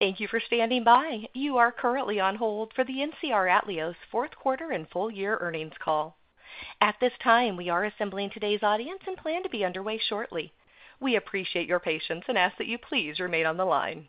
Thank you for standing by. You are currently on hold for the NCR Atleos fourth quarter and full year earnings call. At this time, we are assembling today's audience and plan to be underway shortly. We appreciate your patience and ask that you please remain on the line.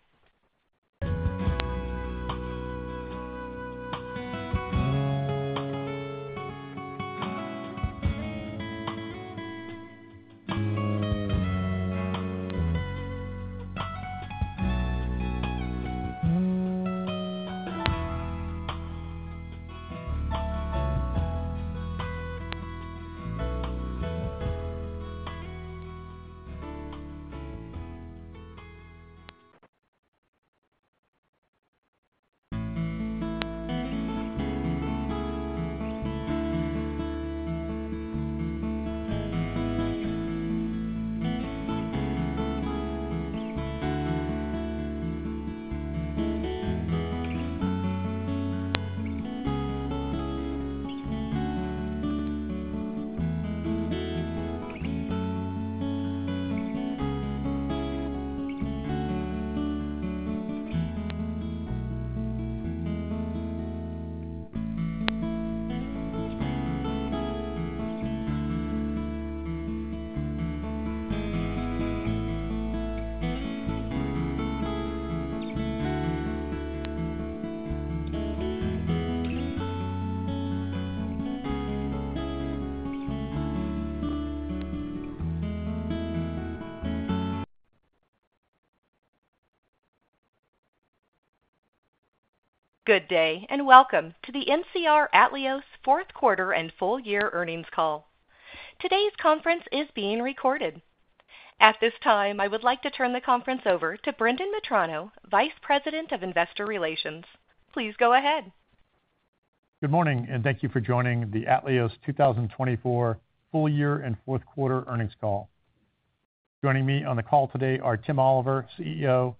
Good day and welcome to the NCR Atleos fourth quarter and full year earnings call. Today's conference is being recorded. At this time, I would like to turn the conference over to Brendan Metrano, Vice President of Investor Relations. Please go ahead. Good morning, and thank you for joining the Atleos 2024 full year and fourth quarter earnings call. Joining me on the call today are Tim Oliver, CEO;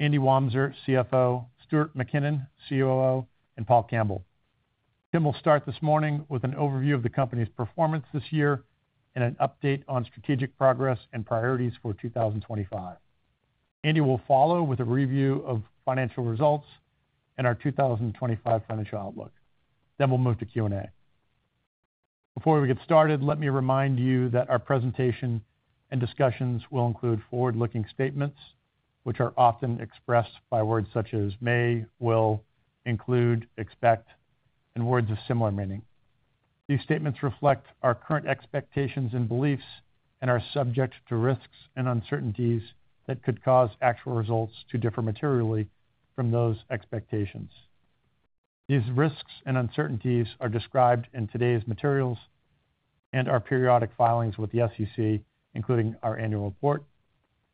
Andy Wamser, CFO; Stuart MacKinnon, COO; and Paul Campbell. Tim will start this morning with an overview of the company's performance this year and an update on strategic progress and priorities for 2025. Andy will follow with a review of financial results and our 2025 financial outlook. Then we'll move to Q&A. Before we get started, let me remind you that our presentation and discussions will include forward-looking statements, which are often expressed by words such as may, will, include, expect, and words of similar meaning. These statements reflect our current expectations and beliefs and are subject to risks and uncertainties that could cause actual results to differ materially from those expectations. These risks and uncertainties are described in today's materials and our periodic filings with the SEC, including our annual report.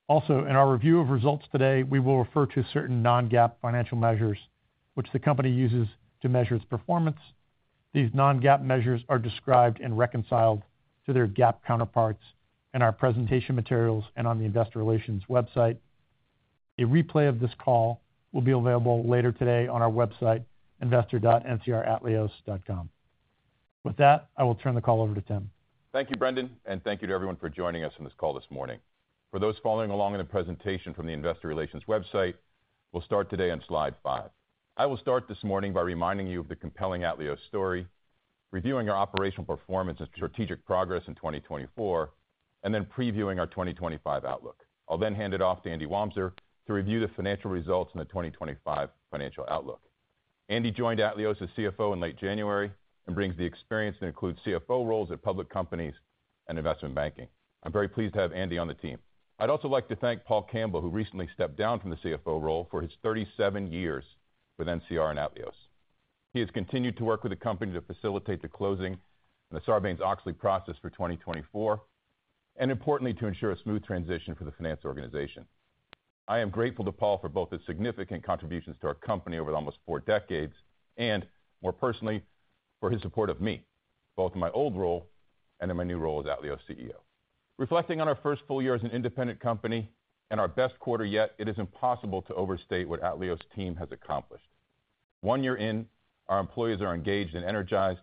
Also, in our review of results today, we will refer to certain non-GAAP financial measures, which the company uses to measure its performance. These non-GAAP measures are described and reconciled to their GAAP counterparts in our presentation materials and on the Investor Relations website. A replay of this call will be available later today on our website, investor.ncratleos.com. With that, I will turn the call over to Tim. Thank you, Brendan, and thank you to everyone for joining us on this call this morning. For those following along in the presentation from the Investor Relations website, we'll start today on slide five. I will start this morning by reminding you of the compelling Atleos story, reviewing our operational performance and strategic progress in 2024, and then previewing our 2025 outlook. I'll then hand it off to Andy Wamser to review the financial results and the 2025 financial outlook. Andy joined Atleos as CFO in late January and brings the experience that includes CFO roles at public companies and investment banking. I'm very pleased to have Andy on the team. I'd also like to thank Paul Campbell, who recently stepped down from the CFO role for his 37 years with NCR and Atleos. He has continued to work with the company to facilitate the closing and the Sarbanes-Oxley process for 2024, and importantly, to ensure a smooth transition for the finance organization. I am grateful to Paul for both his significant contributions to our company over almost four decades and, more personally, for his support of me, both in my old role and in my new role as Atleos CEO. Reflecting on our first full year as an independent company and our best quarter yet, it is impossible to overstate what Atleos' team has accomplished. One year in, our employees are engaged and energized.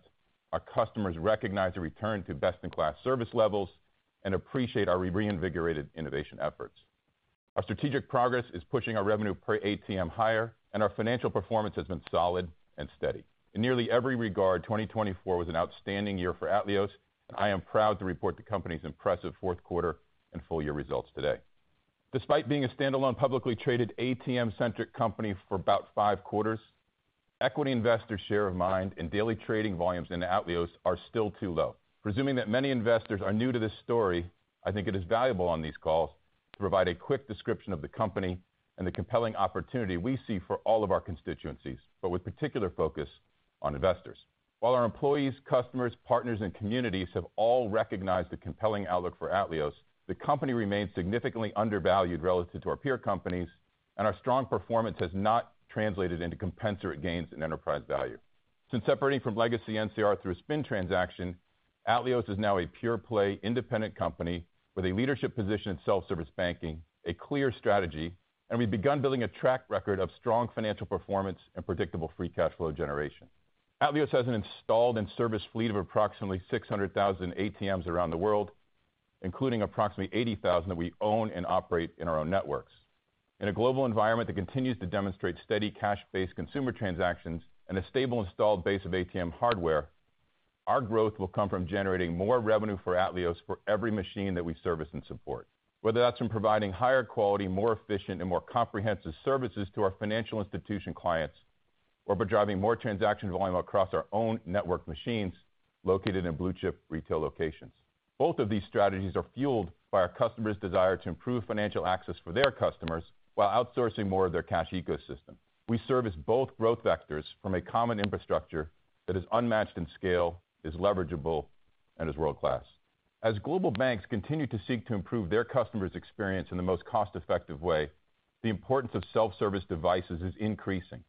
Our customers recognize the return to best-in-class service levels and appreciate our reinvigorated innovation efforts. Our strategic progress is pushing our revenue per ATM higher, and our financial performance has been solid and steady. In nearly every regard, 2024 was an outstanding year for Atleos, and I am proud to report the company's impressive fourth quarter and full year results today. Despite being a standalone, publicly traded, ATM-centric company for about five quarters, equity investors' share of mind and daily trading volumes in Atleos are still too low. Presuming that many investors are new to this story, I think it is valuable on these calls to provide a quick description of the company and the compelling opportunity we see for all of our constituencies, but with particular focus on investors. While our employees, customers, partners, and communities have all recognized the compelling outlook for Atleos, the company remains significantly undervalued relative to our peer companies, and our strong performance has not translated into compensatory gains in enterprise value. Since separating from legacy NCR through a spin transaction, Atleos is now a pure-play independent company with a leadership position in self-service banking, a clear strategy, and we've begun building a track record of strong financial performance and predictable free cash flow generation. Atleos has an installed and serviced fleet of approximately 600,000 ATMs around the world, including approximately 80,000 that we own and operate in our own networks. In a global environment that continues to demonstrate steady cash-based consumer transactions and a stable installed base of ATM hardware, our growth will come from generating more revenue for Atleos for every machine that we service and support, whether that's from providing higher quality, more efficient, and more comprehensive services to our financial institution clients or by driving more transaction volume across our own network machines located in blue-chip retail locations. Both of these strategies are fueled by our customers' desire to improve financial access for their customers while outsourcing more of their cash ecosystem. We service both growth vectors from a common infrastructure that is unmatched in scale, is leverageable, and is world-class. As global banks continue to seek to improve their customers' experience in the most cost-effective way, the importance of self-service devices is increasing.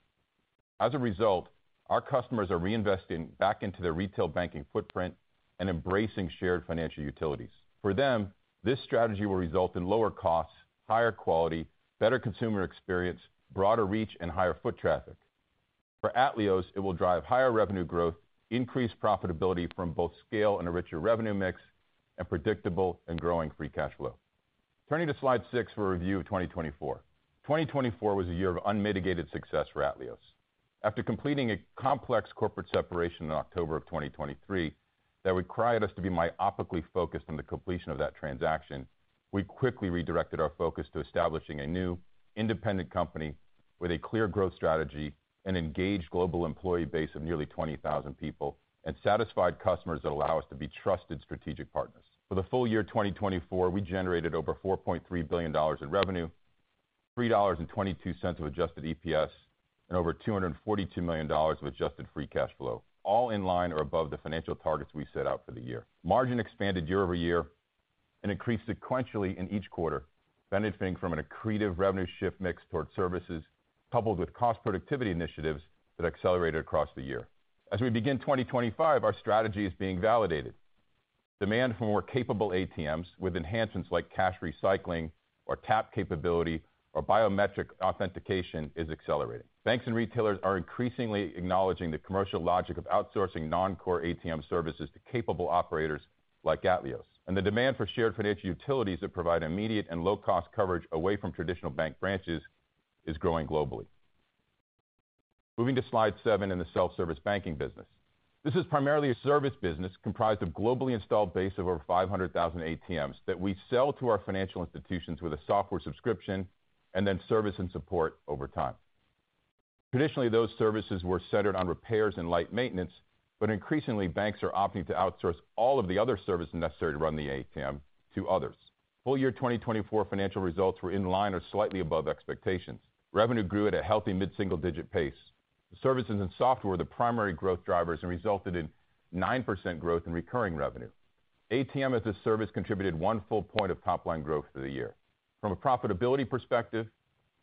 As a result, our customers are reinvesting back into their retail banking footprint and embracing shared financial utilities. For them, this strategy will result in lower costs, higher quality, better consumer experience, broader reach, and higher foot traffic. For Atleos, it will drive higher revenue growth, increased profitability from both scale and a richer revenue mix, and predictable and growing free cash flow. Turning to slide six for a review of 2024, 2024 was a year of unmitigated success for Atleos. After completing a complex corporate separation in October of 2023 that cried out to us to be myopically focused on the completion of that transaction, we quickly redirected our focus to establishing a new independent company with a clear growth strategy, an engaged global employee base of nearly 20,000 people, and satisfied customers that allow us to be trusted strategic partners. For the full year 2024, we generated over $4.3 billion in revenue, $3.22 of adjusted EPS, and over $242 million of adjusted free cash flow, all in line or above the financial targets we set out for the year. Margin expanded year over year and increased sequentially in each quarter, benefiting from an accretive revenue shift mix toward services, coupled with cost productivity initiatives that accelerated across the year. As we begin 2025, our strategy is being validated. Demand for more capable ATMs with enhancements like cash recycling or tap capability or biometric authentication is accelerating. Banks and retailers are increasingly acknowledging the commercial logic of outsourcing non-core ATM services to capable operators like Atleos, and the demand for shared financial utilities that provide immediate and low-cost coverage away from traditional bank branches is growing globally. Moving to slide seven in the self-service banking business. This is primarily a service business comprised of a globally installed base of over 500,000 ATMs that we sell to our financial institutions with a software subscription and then service and support over time. Traditionally, those services were centered on repairs and light maintenance, but increasingly, banks are opting to outsource all of the other services necessary to run the ATM to others. Full year 2024 financial results were in line or slightly above expectations. Revenue grew at a healthy mid-single-digit pace. The services and software were the primary growth drivers and resulted in 9% growth in recurring revenue. ATM as a Service contributed one full point of top-line growth for the year. From a profitability perspective,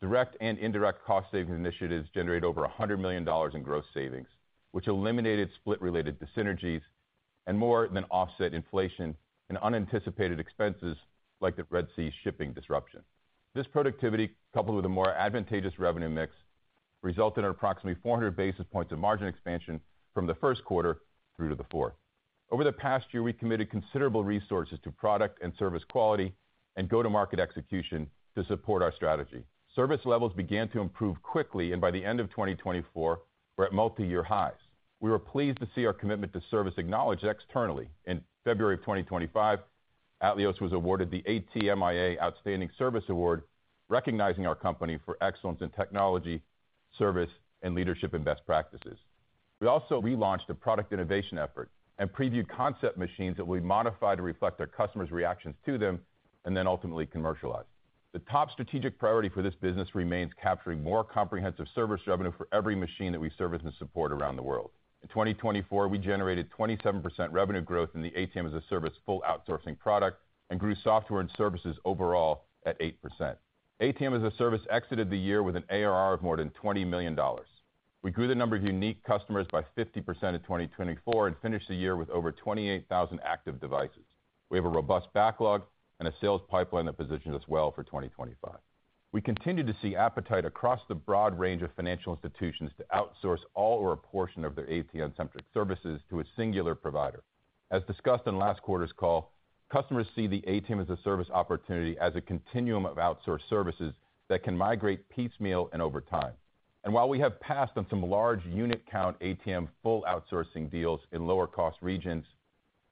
direct and indirect cost savings initiatives generated over $100 million in gross savings, which eliminated split-related synergies and more than offset inflation and unanticipated expenses like the Red Sea shipping disruption. This productivity, coupled with a more advantageous revenue mix, resulted in approximately 400 basis points of margin expansion from the first quarter through to the fourth. Over the past year, we committed considerable resources to product and service quality and go-to-market execution to support our strategy. Service levels began to improve quickly, and by the end of 2024, we're at multi-year highs. We were pleased to see our commitment to service acknowledged externally. In February of 2025, Atleos was awarded the ATMIA Outstanding Service Award, recognizing our company for excellence in technology, service, and leadership in best practices. We also relaunched a product innovation effort and previewed concept machines that we modified to reflect our customers' reactions to them and then ultimately commercialized. The top strategic priority for this business remains capturing more comprehensive service revenue for every machine that we service and support around the world. In 2024, we generated 27% revenue growth in the ATM as a service full outsourcing product and grew software and services overall at 8%. ATM as a service exited the year with an ARR of more than $20 million. We grew the number of unique customers by 50% in 2024 and finished the year with over 28,000 active devices. We have a robust backlog and a sales pipeline that positions us well for 2025. We continue to see appetite across the broad range of financial institutions to outsource all or a portion of their ATM-centric services to a singular provider. As discussed in last quarter's call, customers see the ATM as a Service opportunity as a continuum of outsourced services that can migrate piecemeal and over time, and while we have passed on some large unit-count ATM full outsourcing deals in lower-cost regions,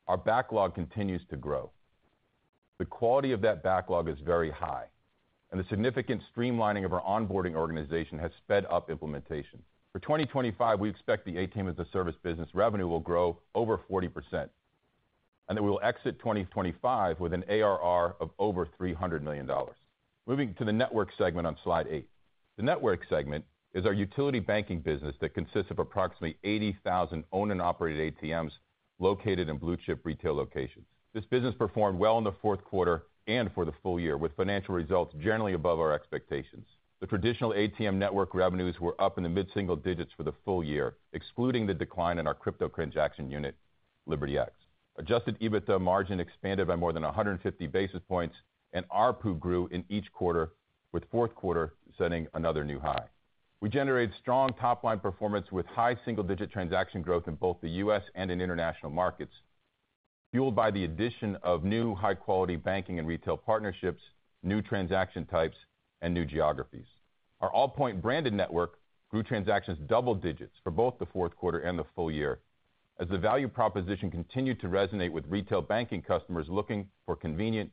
our backlog continues to grow. The quality of that backlog is very high, and the significant streamlining of our onboarding organization has sped up implementation. For 2025, we expect the ATM as a Service business revenue will grow over 40% and that we will exit 2025 with an ARR of over $300 million. Moving to the network segment on slide eight. The network segment is our utility banking business that consists of approximately 80,000 owned and operated ATMs located in blue-chip retail locations. This business performed well in the fourth quarter and for the full year, with financial results generally above our expectations. The traditional ATM network revenues were up in the mid-single digits for the full year, excluding the decline in our crypto transaction unit, LibertyX. Adjusted EBITDA margin expanded by more than 150 basis points, and our pool grew in each quarter, with fourth quarter setting another new high. We generated strong top-line performance with high single-digit transaction growth in both the U.S. and in international markets, fueled by the addition of new high-quality banking and retail partnerships, new transaction types, and new geographies. Our Allpoint-branded network grew transactions double digits for both the fourth quarter and the full year as the value proposition continued to resonate with retail banking customers looking for convenient,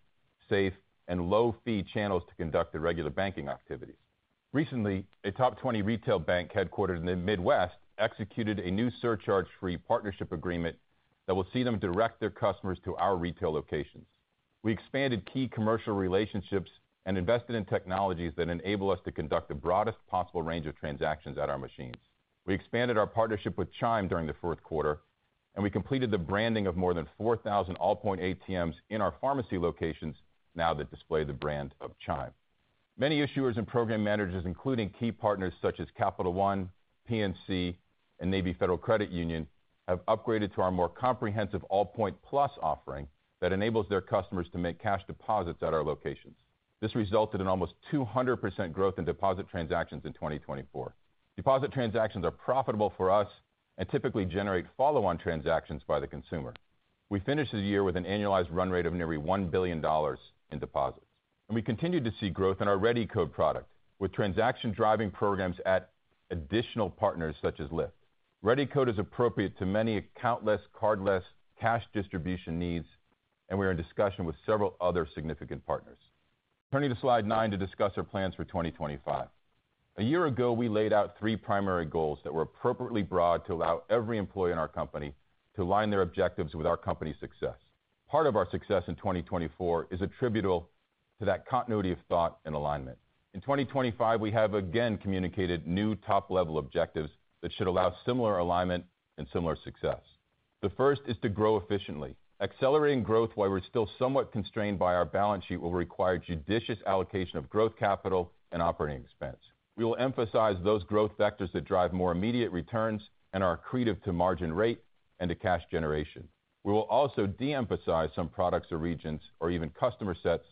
safe, and low-fee channels to conduct their regular banking activities. Recently, a top 20 retail bank headquartered in the Midwest executed a new surcharge-free partnership agreement that will see them direct their customers to our retail locations. We expanded key commercial relationships and invested in technologies that enable us to conduct the broadest possible range of transactions at our machines. We expanded our partnership with Chime during the fourth quarter, and we completed the branding of more than 4,000 Allpoint ATMs in our pharmacy locations now that display the brand of Chime. Many issuers and program managers, including key partners such as Capital One, PNC, and Navy Federal Credit Union, have upgraded to our more comprehensive Allpoint+ offering that enables their customers to make cash deposits at our locations. This resulted in almost 200% growth in deposit transactions in 2024. Deposit transactions are profitable for us and typically generate follow-on transactions by the consumer. We finished the year with an annualized run rate of nearly $1 billion in deposits, and we continued to see growth in our ReadyCode product with transaction-driving programs at additional partners such as Lyft. ReadyCode is appropriate to many accountless, cardless, cash distribution needs, and we are in discussion with several other significant partners. Turning to slide nine to discuss our plans for 2025. A year ago, we laid out three primary goals that were appropriately broad to allow every employee in our company to align their objectives with our company's success. Part of our success in 2024 is attributable to that continuity of thought and alignment. In 2025, we have again communicated new top-level objectives that should allow similar alignment and similar success. The first is to grow efficiently. Accelerating growth while we're still somewhat constrained by our balance sheet will require judicious allocation of growth capital and operating expense. We will emphasize those growth vectors that drive more immediate returns and are accretive to margin rate and to cash generation. We will also de-emphasize some products or regions or even customer sets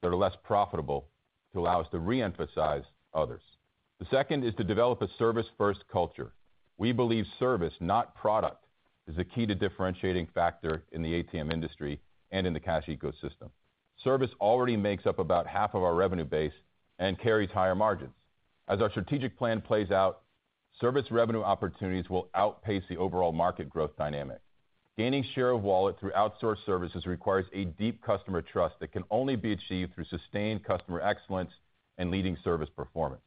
that are less profitable to allow us to re-emphasize others. The second is to develop a service-first culture. We believe service, not product, is the key differentiating factor in the ATM industry and in the cash ecosystem. Service already makes up about half of our revenue base and carries higher margins. As our strategic plan plays out, service revenue opportunities will outpace the overall market growth dynamic. Gaining share of wallet through outsourced services requires a deep customer trust that can only be achieved through sustained customer excellence and leading service performance.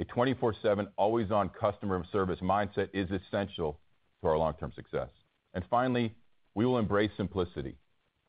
A 24/7, always-on customer service mindset is essential to our long-term success. And finally, we will embrace simplicity.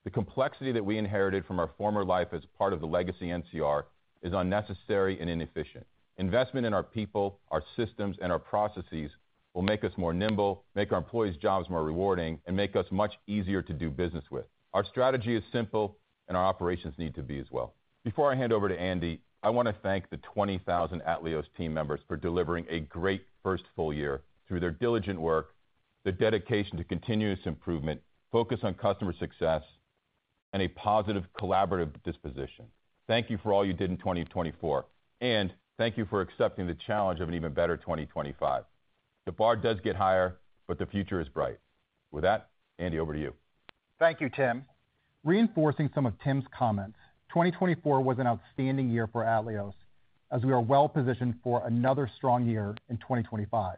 The complexity that we inherited from our former life as part of the legacy NCR is unnecessary and inefficient. Investment in our people, our systems, and our processes will make us more nimble, make our employees' jobs more rewarding, and make us much easier to do business with. Our strategy is simple, and our operations need to be as well. Before I hand over to Andy, I want to thank the 20,000 Atleos team members for delivering a great first full year through their diligent work, their dedication to continuous improvement, focus on customer success, and a positive collaborative disposition. Thank you for all you did in 2024, and thank you for accepting the challenge of an even better 2025. The bar does get higher, but the future is bright. With that, Andy, over to you. Thank you, Tim. Reinforcing some of Tim's comments, 2024 was an outstanding year for Atleos as we are well-positioned for another strong year in 2025.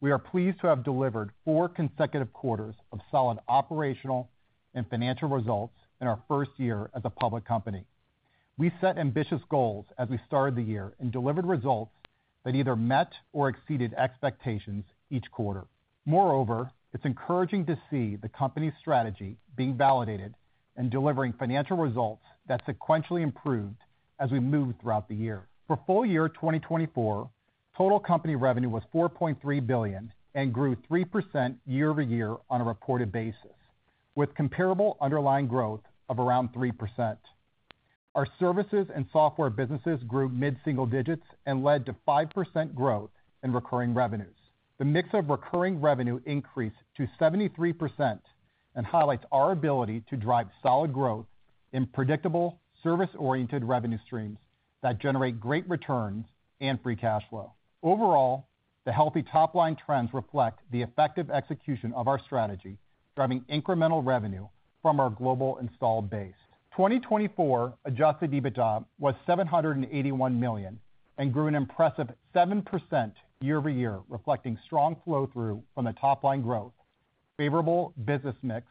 We are pleased to have delivered four consecutive quarters of solid operational and financial results in our first year as a public company. We set ambitious goals as we started the year and delivered results that either met or exceeded expectations each quarter. Moreover, it's encouraging to see the company's strategy being validated and delivering financial results that sequentially improved as we moved throughout the year. For full year 2024, total company revenue was $4.3 billion and grew 3% year over year on a reported basis, with comparable underlying growth of around 3%. Our services and software businesses grew mid-single digits and led to 5% growth in recurring revenues. The mix of recurring revenue increased to 73% and highlights our ability to drive solid growth in predictable, service-oriented revenue streams that generate great returns and free cash flow. Overall, the healthy top-line trends reflect the effective execution of our strategy, driving incremental revenue from our global installed base. 2024 Adjusted EBITDA was $781 million and grew an impressive 7% year over year, reflecting strong flow-through from the top-line growth, favorable business mix,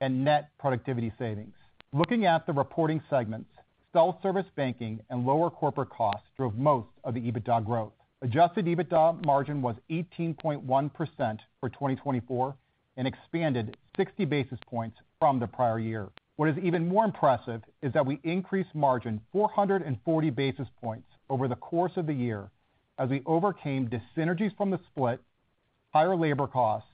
and net productivity savings. Looking at the reporting segments, self-service banking and lower corporate costs drove most of the EBITDA growth. Adjusted EBITDA margin was 18.1% for 2024 and expanded 60 basis points from the prior year. What is even more impressive is that we increased margin 440 basis points over the course of the year as we overcame dis-synergies from the split, higher labor costs,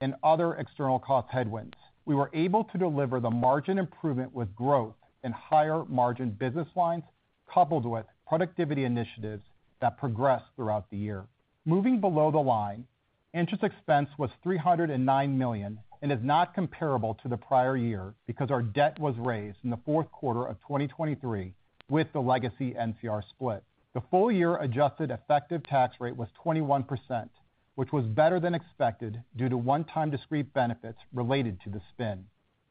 and other external cost headwinds. We were able to deliver the margin improvement with growth in higher margin business lines coupled with productivity initiatives that progressed throughout the year. Moving below the line, interest expense was $309 million and is not comparable to the prior year because our debt was raised in the fourth quarter of 2023 with the legacy NCR split. The full year adjusted effective tax rate was 21%, which was better than expected due to one-time discrete benefits related to the spin.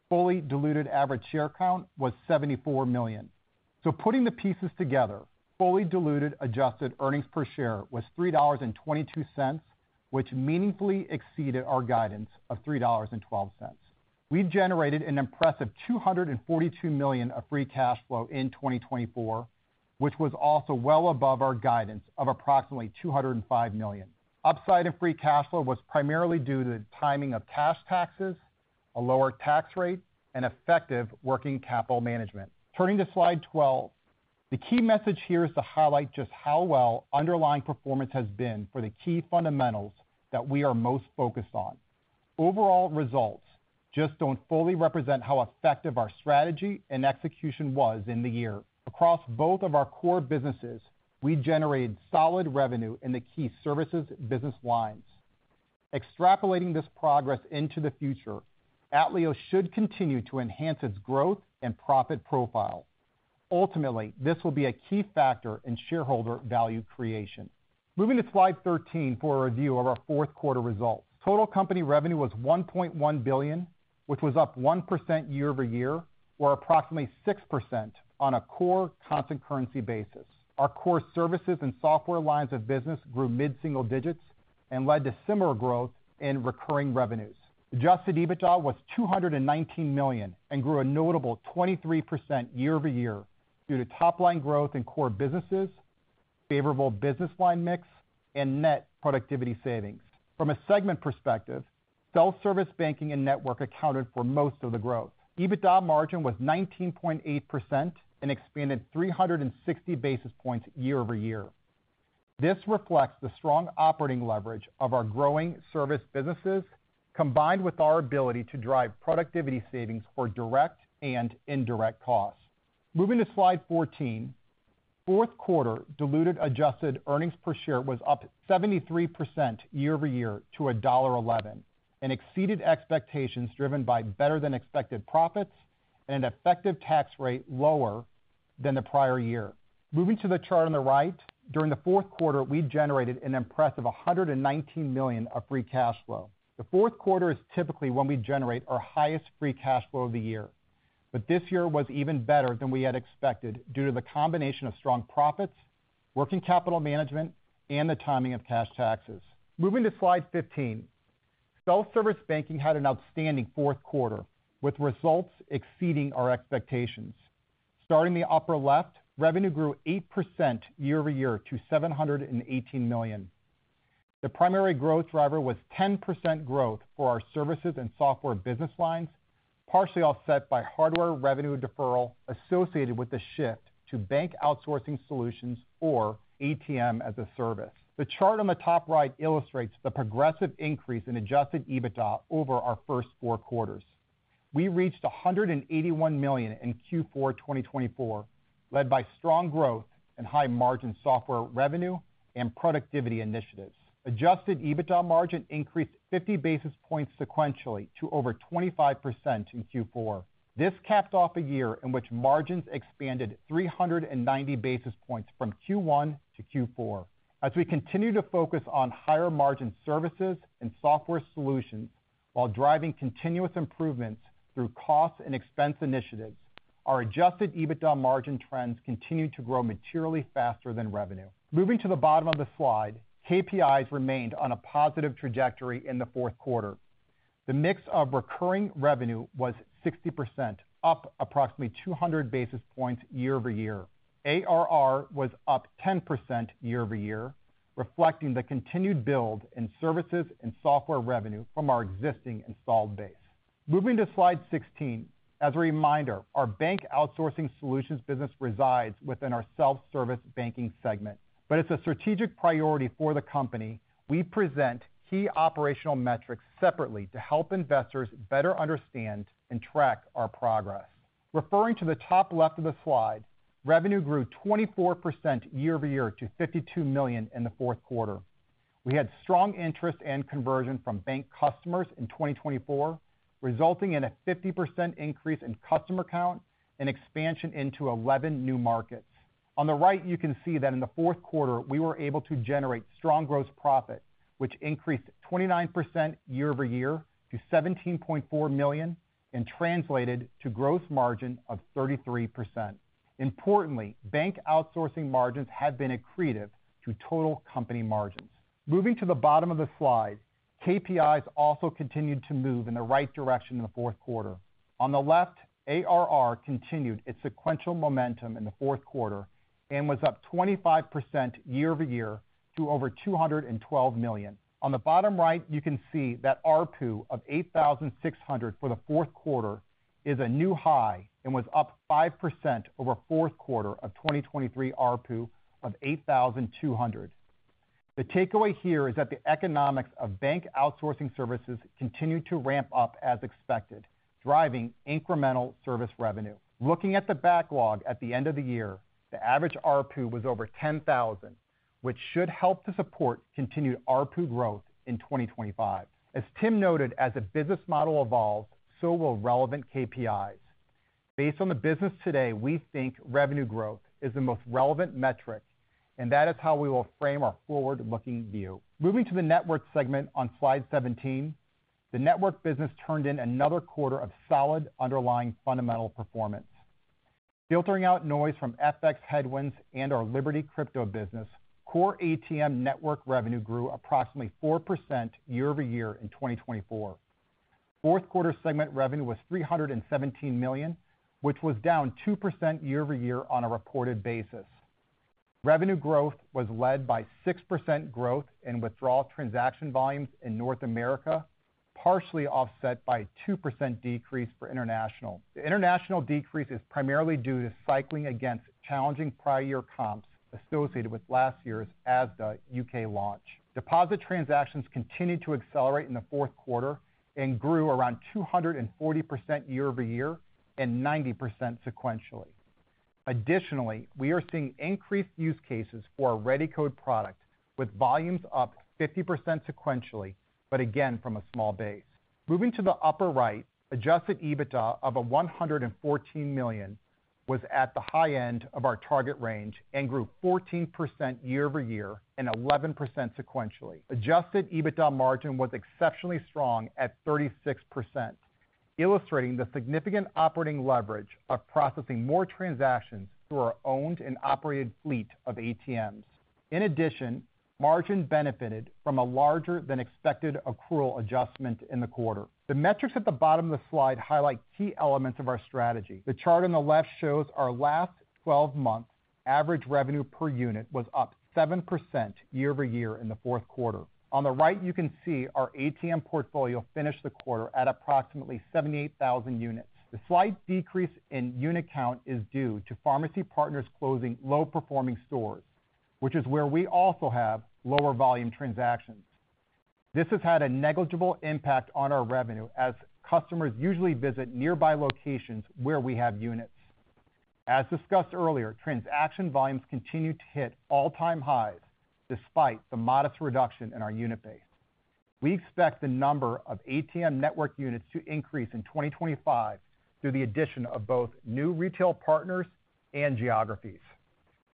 Fully diluted average share count was 74 million. So putting the pieces together, fully diluted adjusted earnings per share was $3.22, which meaningfully exceeded our guidance of $3.12. We generated an impressive $242 million of free cash flow in 2024, which was also well above our guidance of approximately $205 million. Upside in free cash flow was primarily due to the timing of cash taxes, a lower tax rate, and effective working capital management. Turning to slide 12, the key message here is to highlight just how well underlying performance has been for the key fundamentals that we are most focused on. Overall results just don't fully represent how effective our strategy and execution was in the year. Across both of our core businesses, we generated solid revenue in the key services business lines. Extrapolating this progress into the future, Atleos should continue to enhance its growth and profit profile. Ultimately, this will be a key factor in shareholder value creation. Moving to slide 13 for a review of our fourth quarter results. Total company revenue was $1.1 billion, which was up 1% year over year, or approximately 6% on a core constant currency basis. Our core services and software lines of business grew mid-single digits and led to similar growth in recurring revenues. Adjusted EBITDA was $219 million and grew a notable 23% year over year due to top-line growth in core businesses, favorable business line mix, and net productivity savings. From a segment perspective, self-service banking and network accounted for most of the growth. EBITDA margin was 19.8% and expanded 360 basis points year over year. This reflects the strong operating leverage of our growing service businesses combined with our ability to drive productivity savings for direct and indirect costs. Moving to slide 14, fourth quarter diluted adjusted earnings per share was up 73% year over year to $1.11 and exceeded expectations driven by better-than-expected profits and an effective tax rate lower than the prior year. Moving to the chart on the right, during the fourth quarter, we generated an impressive $119 million of free cash flow. The fourth quarter is typically when we generate our highest free cash flow of the year, but this year was even better than we had expected due to the combination of strong profits, working capital management, and the timing of cash taxes. Moving to slide 15, self-service banking had an outstanding fourth quarter with results exceeding our expectations. Starting the upper left, revenue grew 8% year over year to $718 million. The primary growth driver was 10% growth for our services and software business lines, partially offset by hardware revenue deferral associated with the shift to bank outsourcing solutions or ATM as a service. The chart on the top right illustrates the progressive increase in Adjusted EBITDA over our first four quarters. We reached $181 million in Q4 2024, led by strong growth and high margin software revenue and productivity initiatives. Adjusted EBITDA margin increased 50 basis points sequentially to over 25% in Q4. This capped off a year in which margins expanded 390 basis points from Q1 to Q4. As we continue to focus on higher margin services and software solutions while driving continuous improvements through cost and expense initiatives, our adjusted EBITDA margin trends continue to grow materially faster than revenue. Moving to the bottom of the slide, KPIs remained on a positive trajectory in the fourth quarter. The mix of recurring revenue was 60%, up approximately 200 basis points year over year. ARR was up 10% year over year, reflecting the continued build in services and software revenue from our existing installed base. Moving to slide 16, as a reminder, our bank outsourcing solutions business resides within our self-service banking segment, but it's a strategic priority for the company. We present key operational metrics separately to help investors better understand and track our progress. Referring to the top left of the slide, revenue grew 24% year over year to $52 million in the fourth quarter. We had strong interest and conversion from bank customers in 2024, resulting in a 50% increase in customer count and expansion into 11 new markets. On the right, you can see that in the fourth quarter, we were able to generate strong gross profit, which increased 29% year over year to $17.4 million and translated to gross margin of 33%. Importantly, bank outsourcing margins have been accretive to total company margins. Moving to the bottom of the slide, KPIs also continued to move in the right direction in the fourth quarter. On the left, ARR continued its sequential momentum in the fourth quarter and was up 25% year over year to over $212 million. On the bottom right, you can see that RPU of $8,600 for the fourth quarter is a new high and was up 5% over fourth quarter of 2023 RPU of $8,200. The takeaway here is that the economics of bank outsourcing services continue to ramp up as expected, driving incremental service revenue. Looking at the backlog at the end of the year, the average RPU was over $10,000, which should help to support continued RPU growth in 2025. As Tim noted, as a business model evolves, so will relevant KPIs. Based on the business today, we think revenue growth is the most relevant metric, and that is how we will frame our forward-looking view. Moving to the network segment on slide 17, the network business turned in another quarter of solid underlying fundamental performance. Filtering out noise from FX headwinds and our LibertyX business, core ATM network revenue grew approximately 4% year over year in 2024. Fourth quarter segment revenue was $317 million, which was down 2% year over year on a reported basis. Revenue growth was led by 6% growth in withdrawal transaction volumes in North America, partially offset by a 2% decrease for international. The international decrease is primarily due to cycling against challenging prior year comps associated with last year's Asda U.K. launch. Deposit transactions continued to accelerate in the fourth quarter and grew around 240% year over year and 90% sequentially. Additionally, we are seeing increased use cases for our ReadyCode product with volumes up 50% sequentially, but again from a small base. Moving to the upper right, Adjusted EBITDA of $114 million was at the high end of our target range and grew 14% year over year and 11% sequentially. Adjusted EBITDA margin was exceptionally strong at 36%, illustrating the significant operating leverage of processing more transactions through our owned and operated fleet of ATMs. In addition, margin benefited from a larger-than-expected accrual adjustment in the quarter. The metrics at the bottom of the slide highlight key elements of our strategy. The chart on the left shows our last 12 months' average revenue per unit was up 7% year over year in the fourth quarter. On the right, you can see our ATM portfolio finished the quarter at approximately 78,000 units. The slight decrease in unit count is due to pharmacy partners closing low-performing stores, which is where we also have lower volume transactions. This has had a negligible impact on our revenue as customers usually visit nearby locations where we have units. As discussed earlier, transaction volumes continue to hit all-time highs despite the modest reduction in our unit base. We expect the number of ATM network units to increase in 2025 through the addition of both new retail partners and geographies.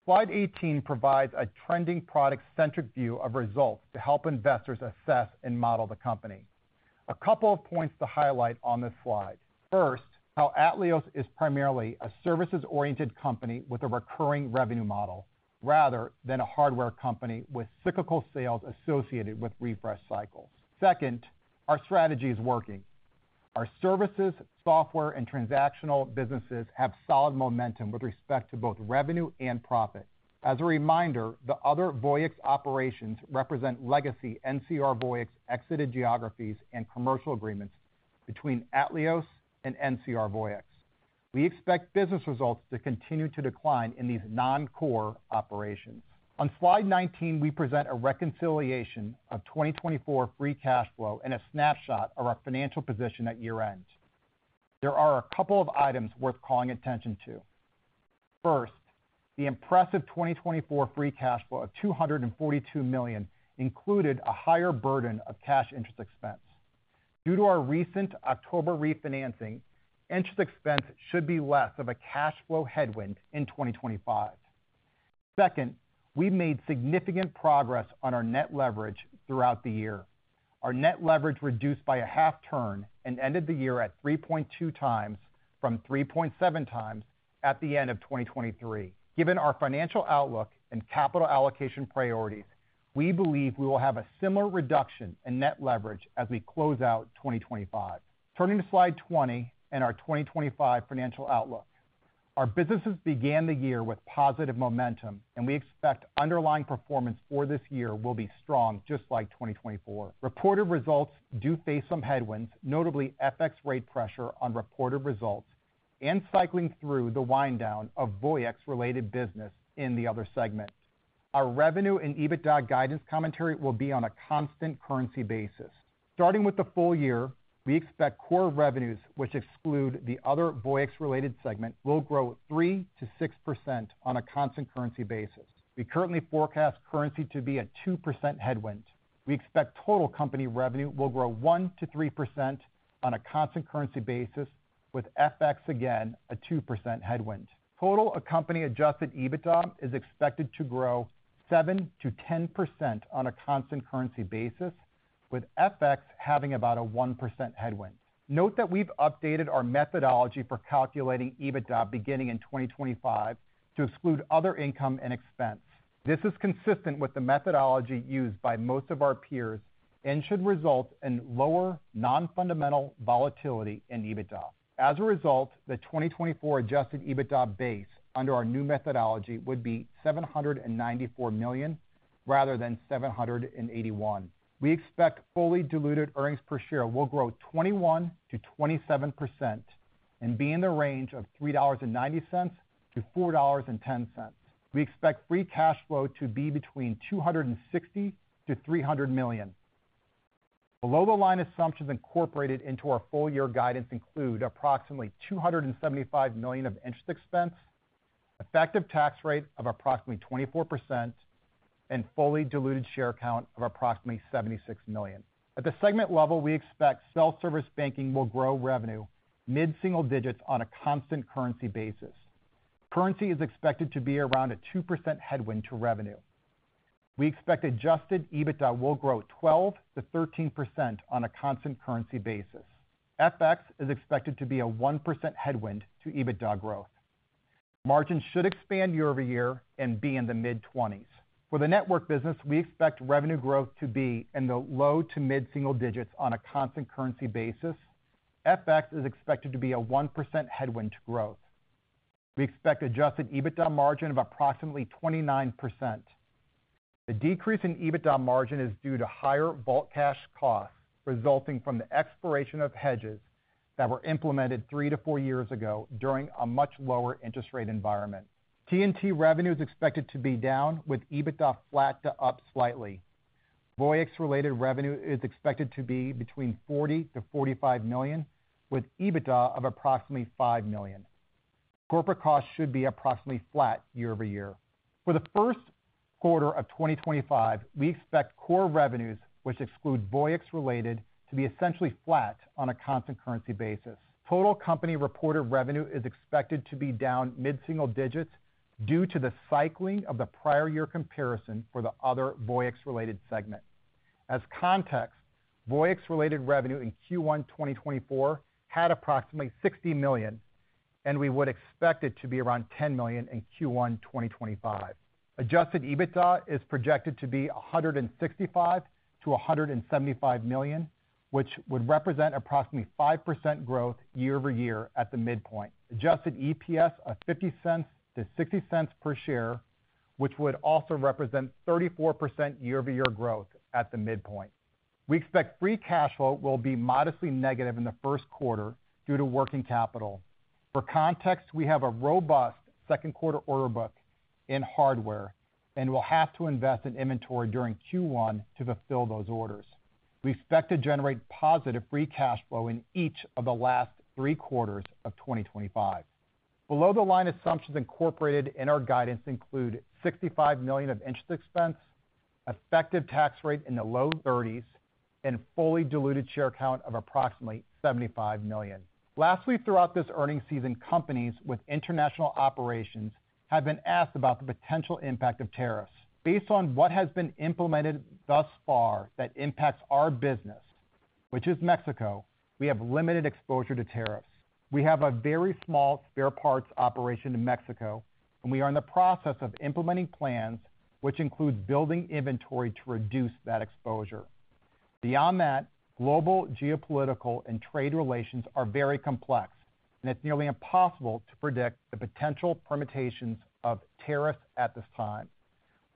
Slide 18 provides a trending product-centric view of results to help investors assess and model the company. A couple of points to highlight on this slide. First, how Atleos is primarily a services-oriented company with a recurring revenue model rather than a hardware company with cyclical sales associated with refresh cycles. Second, our strategy is working. Our services, software, and transactional businesses have solid momentum with respect to both revenue and profit. As a reminder, the other Voyex operations represent legacy NCR Voyex exited geographies and commercial agreements between Atleos and NCR Voyex. We expect business results to continue to decline in these non-core operations. On slide 19, we present a reconciliation of 2024 free cash flow and a snapshot of our financial position at year-end. There are a couple of items worth calling attention to. First, the impressive 2024 free cash flow of $242 million included a higher burden of cash interest expense. Due to our recent October refinancing, interest expense should be less of a cash flow headwind in 2025. Second, we made significant progress on our net leverage throughout the year. Our net leverage reduced by a half turn and ended the year at 3.2 times from 3.7 times at the end of 2023. Given our financial outlook and capital allocation priorities, we believe we will have a similar reduction in net leverage as we close out 2025. Turning to slide 20 and our 2025 financial outlook, our businesses began the year with positive momentum, and we expect underlying performance for this year will be strong just like 2024. Reported results do face some headwinds, notably FX rate pressure on reported results and cycling through the wind down of Voyex-related business in the other segment. Our revenue and EBITDA guidance commentary will be on a constant currency basis. Starting with the full year, we expect core revenues, which exclude the other Voyex-related segment, will grow 3%-6% on a constant currency basis. We currently forecast currency to be a 2% headwind. We expect total company revenue will grow 1%-3% on a constant currency basis, with FX again a 2% headwind. Total company adjusted EBITDA is expected to grow 7%-10% on a constant currency basis, with FX having about a 1% headwind. Note that we've updated our methodology for calculating EBITDA beginning in 2025 to exclude other income and expense. This is consistent with the methodology used by most of our peers and should result in lower non-fundamental volatility in EBITDA. As a result, the 2024 adjusted EBITDA base under our new methodology would be $794 million rather than $781 million. We expect fully diluted earnings per share will grow 21%-27% and be in the range of $3.90-$4.10. We expect free cash flow to be between $260 million to $300 million. Below-the-line assumptions incorporated into our full year guidance include approximately $275 million of interest expense, effective tax rate of approximately 24%, and fully diluted share count of approximately 76 million. At the segment level, we expect self-service banking will grow revenue mid-single digits on a constant currency basis. Currency is expected to be around a 2% headwind to revenue. We expect Adjusted EBITDA will grow 12%-13% on a constant currency basis. FX is expected to be a 1% headwind to EBITDA growth. Margins should expand year over year and be in the mid-20s. For the network business, we expect revenue growth to be in the low to mid-single digits on a constant currency basis. FX is expected to be a 1% headwind to growth. We expect Adjusted EBITDA margin of approximately 29%. The decrease in EBITDA margin is due to higher vault cash costs resulting from the expiration of hedges that were implemented three to four years ago during a much lower interest rate environment. T&T revenue is expected to be down, with EBITDA flat to up slightly. Voyex-related revenue is expected to be between $40 million-$45 million, with EBITDA of approximately $5 million. Corporate costs should be approximately flat year over year. For the first quarter of 2025, we expect core revenues, which exclude Voyex-related, to be essentially flat on a constant currency basis. Total company reported revenue is expected to be down mid-single digits due to the cycling of the prior year comparison for the other Voyex-related segment. As context, Voyex-related revenue in Q1 2024 had approximately $60 million, and we would expect it to be around $10 million in Q1 2025. Adjusted EBITDA is projected to be $165 million-$175 million, which would represent approximately 5% growth year over year at the midpoint. Adjusted EPS of $0.50-$0.60 per share, which would also represent 34% year-over-year growth at the midpoint. We expect free cash flow will be modestly negative in the first quarter due to working capital. For context, we have a robust second quarter order book in hardware and will have to invest in inventory during Q1 to fulfill those orders. We expect to generate positive free cash flow in each of the last three quarters of 2025. Below-the-line assumptions incorporated in our guidance include $65 million of interest expense, effective tax rate in the low 30s, and fully diluted share count of approximately 75 million. Last week throughout this earnings season, companies with international operations have been asked about the potential impact of tariffs. Based on what has been implemented thus far that impacts our business, which is Mexico, we have limited exposure to tariffs. We have a very small spare parts operation in Mexico, and we are in the process of implementing plans which include building inventory to reduce that exposure. Beyond that, global geopolitical and trade relations are very complex, and it's nearly impossible to predict the potential permutations of tariffs at this time.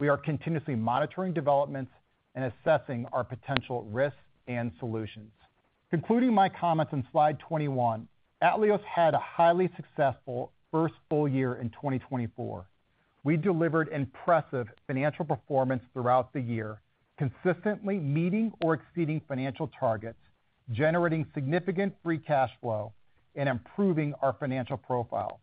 We are continuously monitoring developments and assessing our potential risks and solutions. Concluding my comments on slide 21, Atleos had a highly successful first full year in 2024. We delivered impressive financial performance throughout the year, consistently meeting or exceeding financial targets, generating significant free cash flow, and improving our financial profile.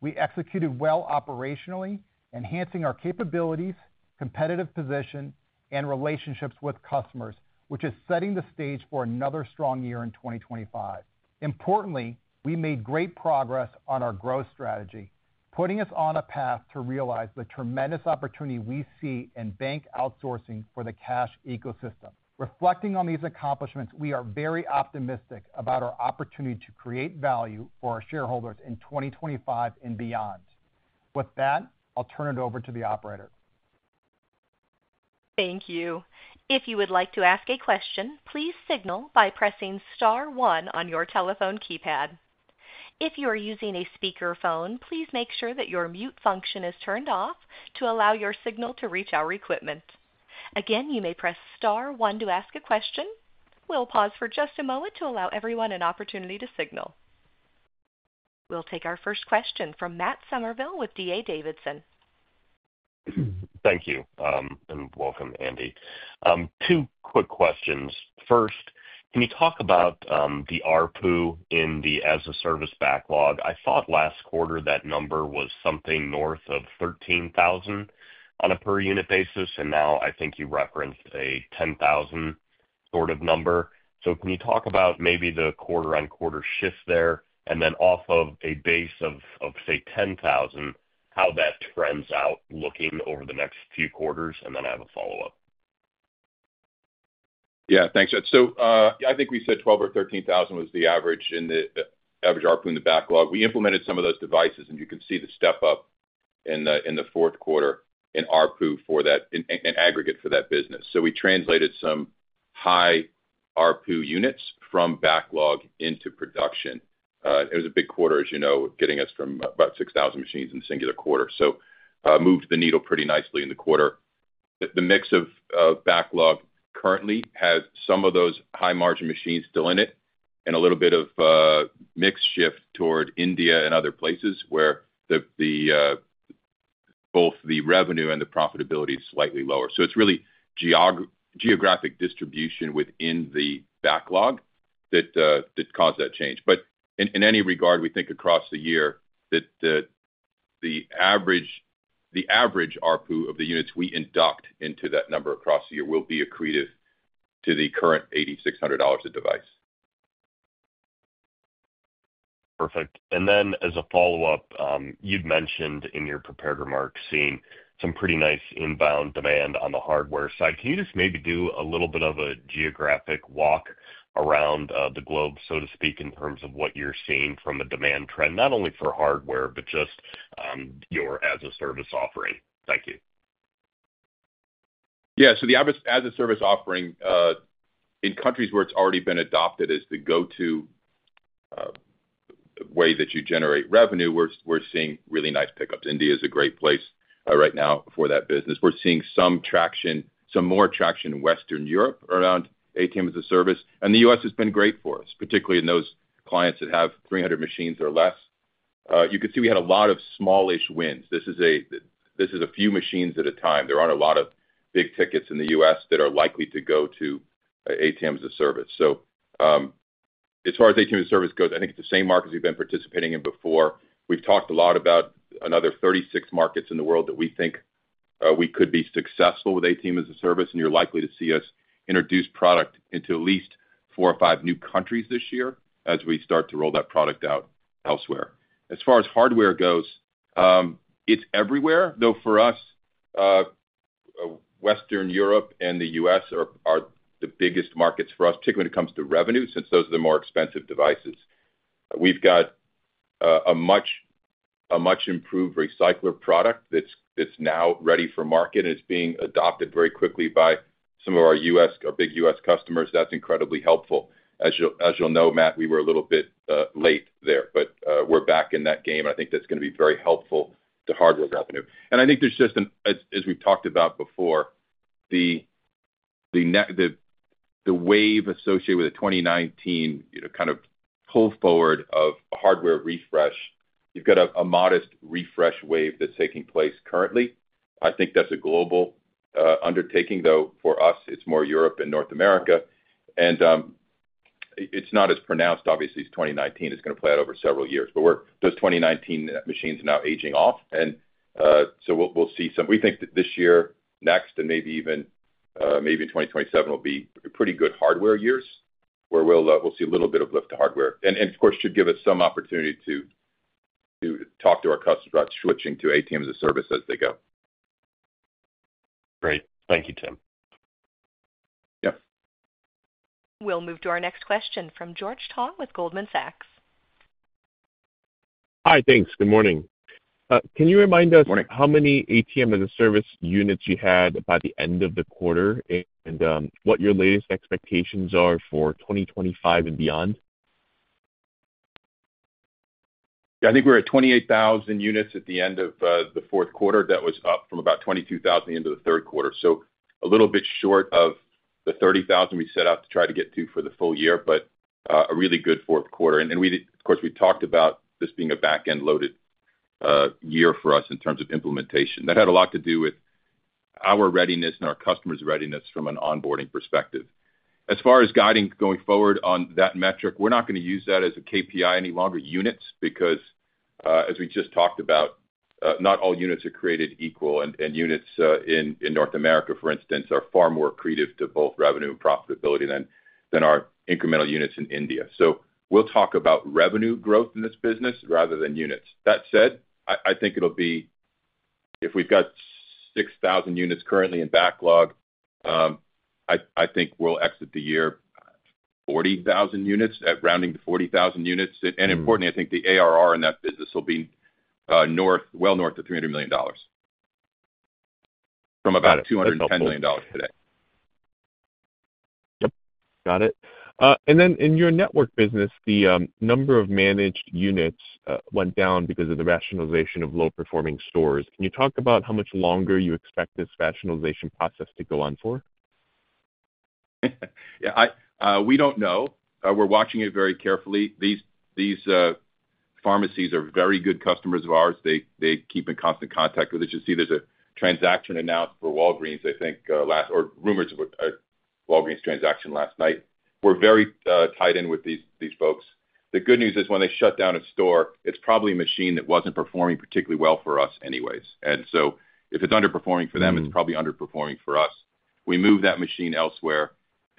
We executed well operationally, enhancing our capabilities, competitive position, and relationships with customers, which is setting the stage for another strong year in 2025. Importantly, we made great progress on our growth strategy, putting us on a path to realize the tremendous opportunity we see in bank outsourcing for the cash ecosystem. Reflecting on these accomplishments, we are very optimistic about our opportunity to create value for our shareholders in 2025 and beyond. With that, I'll turn it over to the operator. Thank you. If you would like to ask a question, please signal by pressing star one on your telephone keypad. If you are using a speakerphone, please make sure that your mute function is turned off to allow your signal to reach our equipment. Again, you may press star one to ask a question. We'll pause for just a moment to allow everyone an opportunity to signal. We'll take our first question from Matt Somerville with DA Davidson. Thank you, and welcome, Andy. Two quick questions. First, can you talk about the ARPU in the as-a-service backlog? I thought last quarter that number was something north of $13,000 on a per-unit basis, and now I think you referenced a $10,000 sort of number. So can you talk about maybe the quarter-on-quarter shift there, and then off of a base of, say, $10,000, how that trends out looking over the next few quarters? And then I have a follow-up. Yeah, thanks. So I think we said $12,000 or $13,000 was the average ARPU in the backlog. We implemented some of those devices, and you can see the step-up in the fourth quarter in ARPU for that, in aggregate for that business. So we translated some high ARPU units from backlog into production. It was a big quarter, as you know, getting us from about 6,000 machines in a singular quarter. So moved the needle pretty nicely in the quarter. The mix of backlog currently has some of those high-margin machines still in it and a little bit of mix shift toward India and other places where both the revenue and the profitability is slightly lower. So it's really geographic distribution within the backlog that caused that change. But in any regard, we think across the year that the average ARPU of the units we induct into that number across the year will be accretive to the current $8,600 a device. Perfect. And then as a follow-up, you'd mentioned in your prepared remarks seeing some pretty nice inbound demand on the hardware side. Can you just maybe do a little bit of a geographic walk around the globe, so to speak, in terms of what you're seeing from the demand trend, not only for hardware, but just your as-a-service offering? Thank you. Yeah. So the as-a-service offering in countries where it's already been adopted as the go-to way that you generate revenue, we're seeing really nice pickups. India is a great place right now for that business. We're seeing some traction, some more traction in Western Europe around ATM as a Service. And the U.S. has been great for us, particularly in those clients that have 300 machines or less. You can see we had a lot of smallish wins. This is a few machines at a time. There aren't a lot of big tickets in the U.S. that are likely to go to ATM as a Service. So as far as ATM as a Service goes, I think it's the same markets we've been participating in before. We've talked a lot about another 36 markets in the world that we think we could be successful with ATM as a service, and you're likely to see us introduce product into at least four or five new countries this year as we start to roll that product out elsewhere. As far as hardware goes, it's everywhere, though for us, Western Europe and the U.S. are the biggest markets for us, particularly when it comes to revenue, since those are the more expensive devices. We've got a much improved recycler product that's now ready for market, and it's being adopted very quickly by some of our U.S., our big U.S. customers. That's incredibly helpful. As you'll know, Matt, we were a little bit late there, but we're back in that game, and I think that's going to be very helpful to hardware revenue. And I think there's just, as we've talked about before, the wave associated with the 2019 kind of pull forward of hardware refresh. You've got a modest refresh wave that's taking place currently. I think that's a global undertaking, though for us, it's more Europe and North America. And it's not as pronounced, obviously, as 2019. It's going to play out over several years. But those 2019 machines are now aging off. And so we'll see some. We think that this year, next, and maybe even in 2027, will be pretty good hardware years where we'll see a little bit of lift to hardware. And of course, it should give us some opportunity to talk to our customers about switching to ATM as a Service as they go. Great. Thank you, Tim. Yep. We'll move to our next question from George Tong with Goldman Sachs. Hi, thanks. Good morning. Can you remind us how many ATM as a Service units you had by the end of the quarter and what your latest expectations are for 2025 and beyond? Yeah, I think we're at 28,000 units at the end of the fourth quarter. That was up from about 22,000 at the end of the third quarter. So a little bit short of the 30,000 we set out to try to get to for the full year, but a really good fourth quarter. And of course, we talked about this being a back-end loaded year for us in terms of implementation. That had a lot to do with our readiness and our customers' readiness from an onboarding perspective. As far as guiding going forward on that metric, we're not going to use that as a KPI any longer, units, because as we just talked about, not all units are created equal, and units in North America, for instance, are far more accretive to both revenue and profitability than our incremental units in India. So we'll talk about revenue growth in this business rather than units. That said, I think it'll be if we've got 6,000 units currently in backlog, I think we'll exit the year at 40,000 units, at rounding to 40,000 units. And importantly, I think the ARR in that business will be well north of $300 million from about $210 million today. Yep. Got it. And then in your network business, the number of managed units went down because of the rationalization of low-performing stores. Can you talk about how much longer you expect this rationalization process to go on for? Yeah, we don't know. We're watching it very carefully. These pharmacies are very good customers of ours. They keep in constant contact with us. You see there's a transaction announced for Walgreens, I think, or rumors of a Walgreens transaction last night. We're very tied in with these folks. The good news is when they shut down a store, it's probably a machine that wasn't performing particularly well for us anyways. And so if it's underperforming for them, it's probably underperforming for us. We move that machine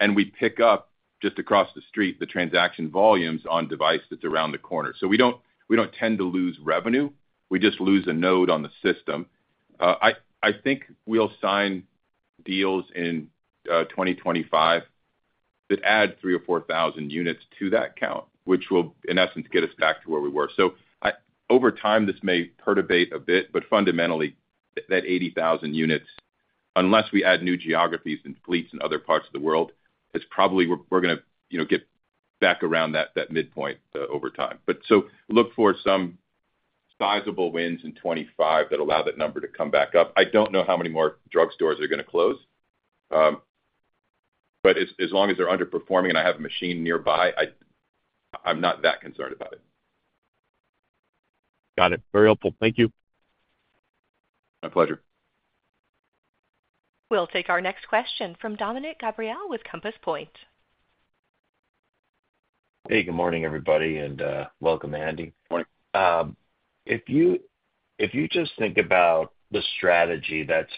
elsewhere, and we pick up just across the street the transaction volumes on device that's around the corner. So we don't tend to lose revenue. We just lose a node on the system. I think we'll sign deals in 2025 that add 3,000 or 4,000 units to that count, which will, in essence, get us back to where we were. So over time, this may perturbate a bit, but fundamentally, that 80,000 units, unless we add new geographies and fleets in other parts of the world, is probably we're going to get back around that midpoint over time. But so look for some sizable wins in 2025 that allow that number to come back up. I don't know how many more drug stores are going to close, but as long as they're underperforming and I have a machine nearby, I'm not that concerned about it. Got it. Very helpful. Thank you. My pleasure. We'll take our next question from Dominick Gabriele with Compass Point. Hey, good morning, everybody, and welcome, Andy. Good morning. If you just think about the strategy that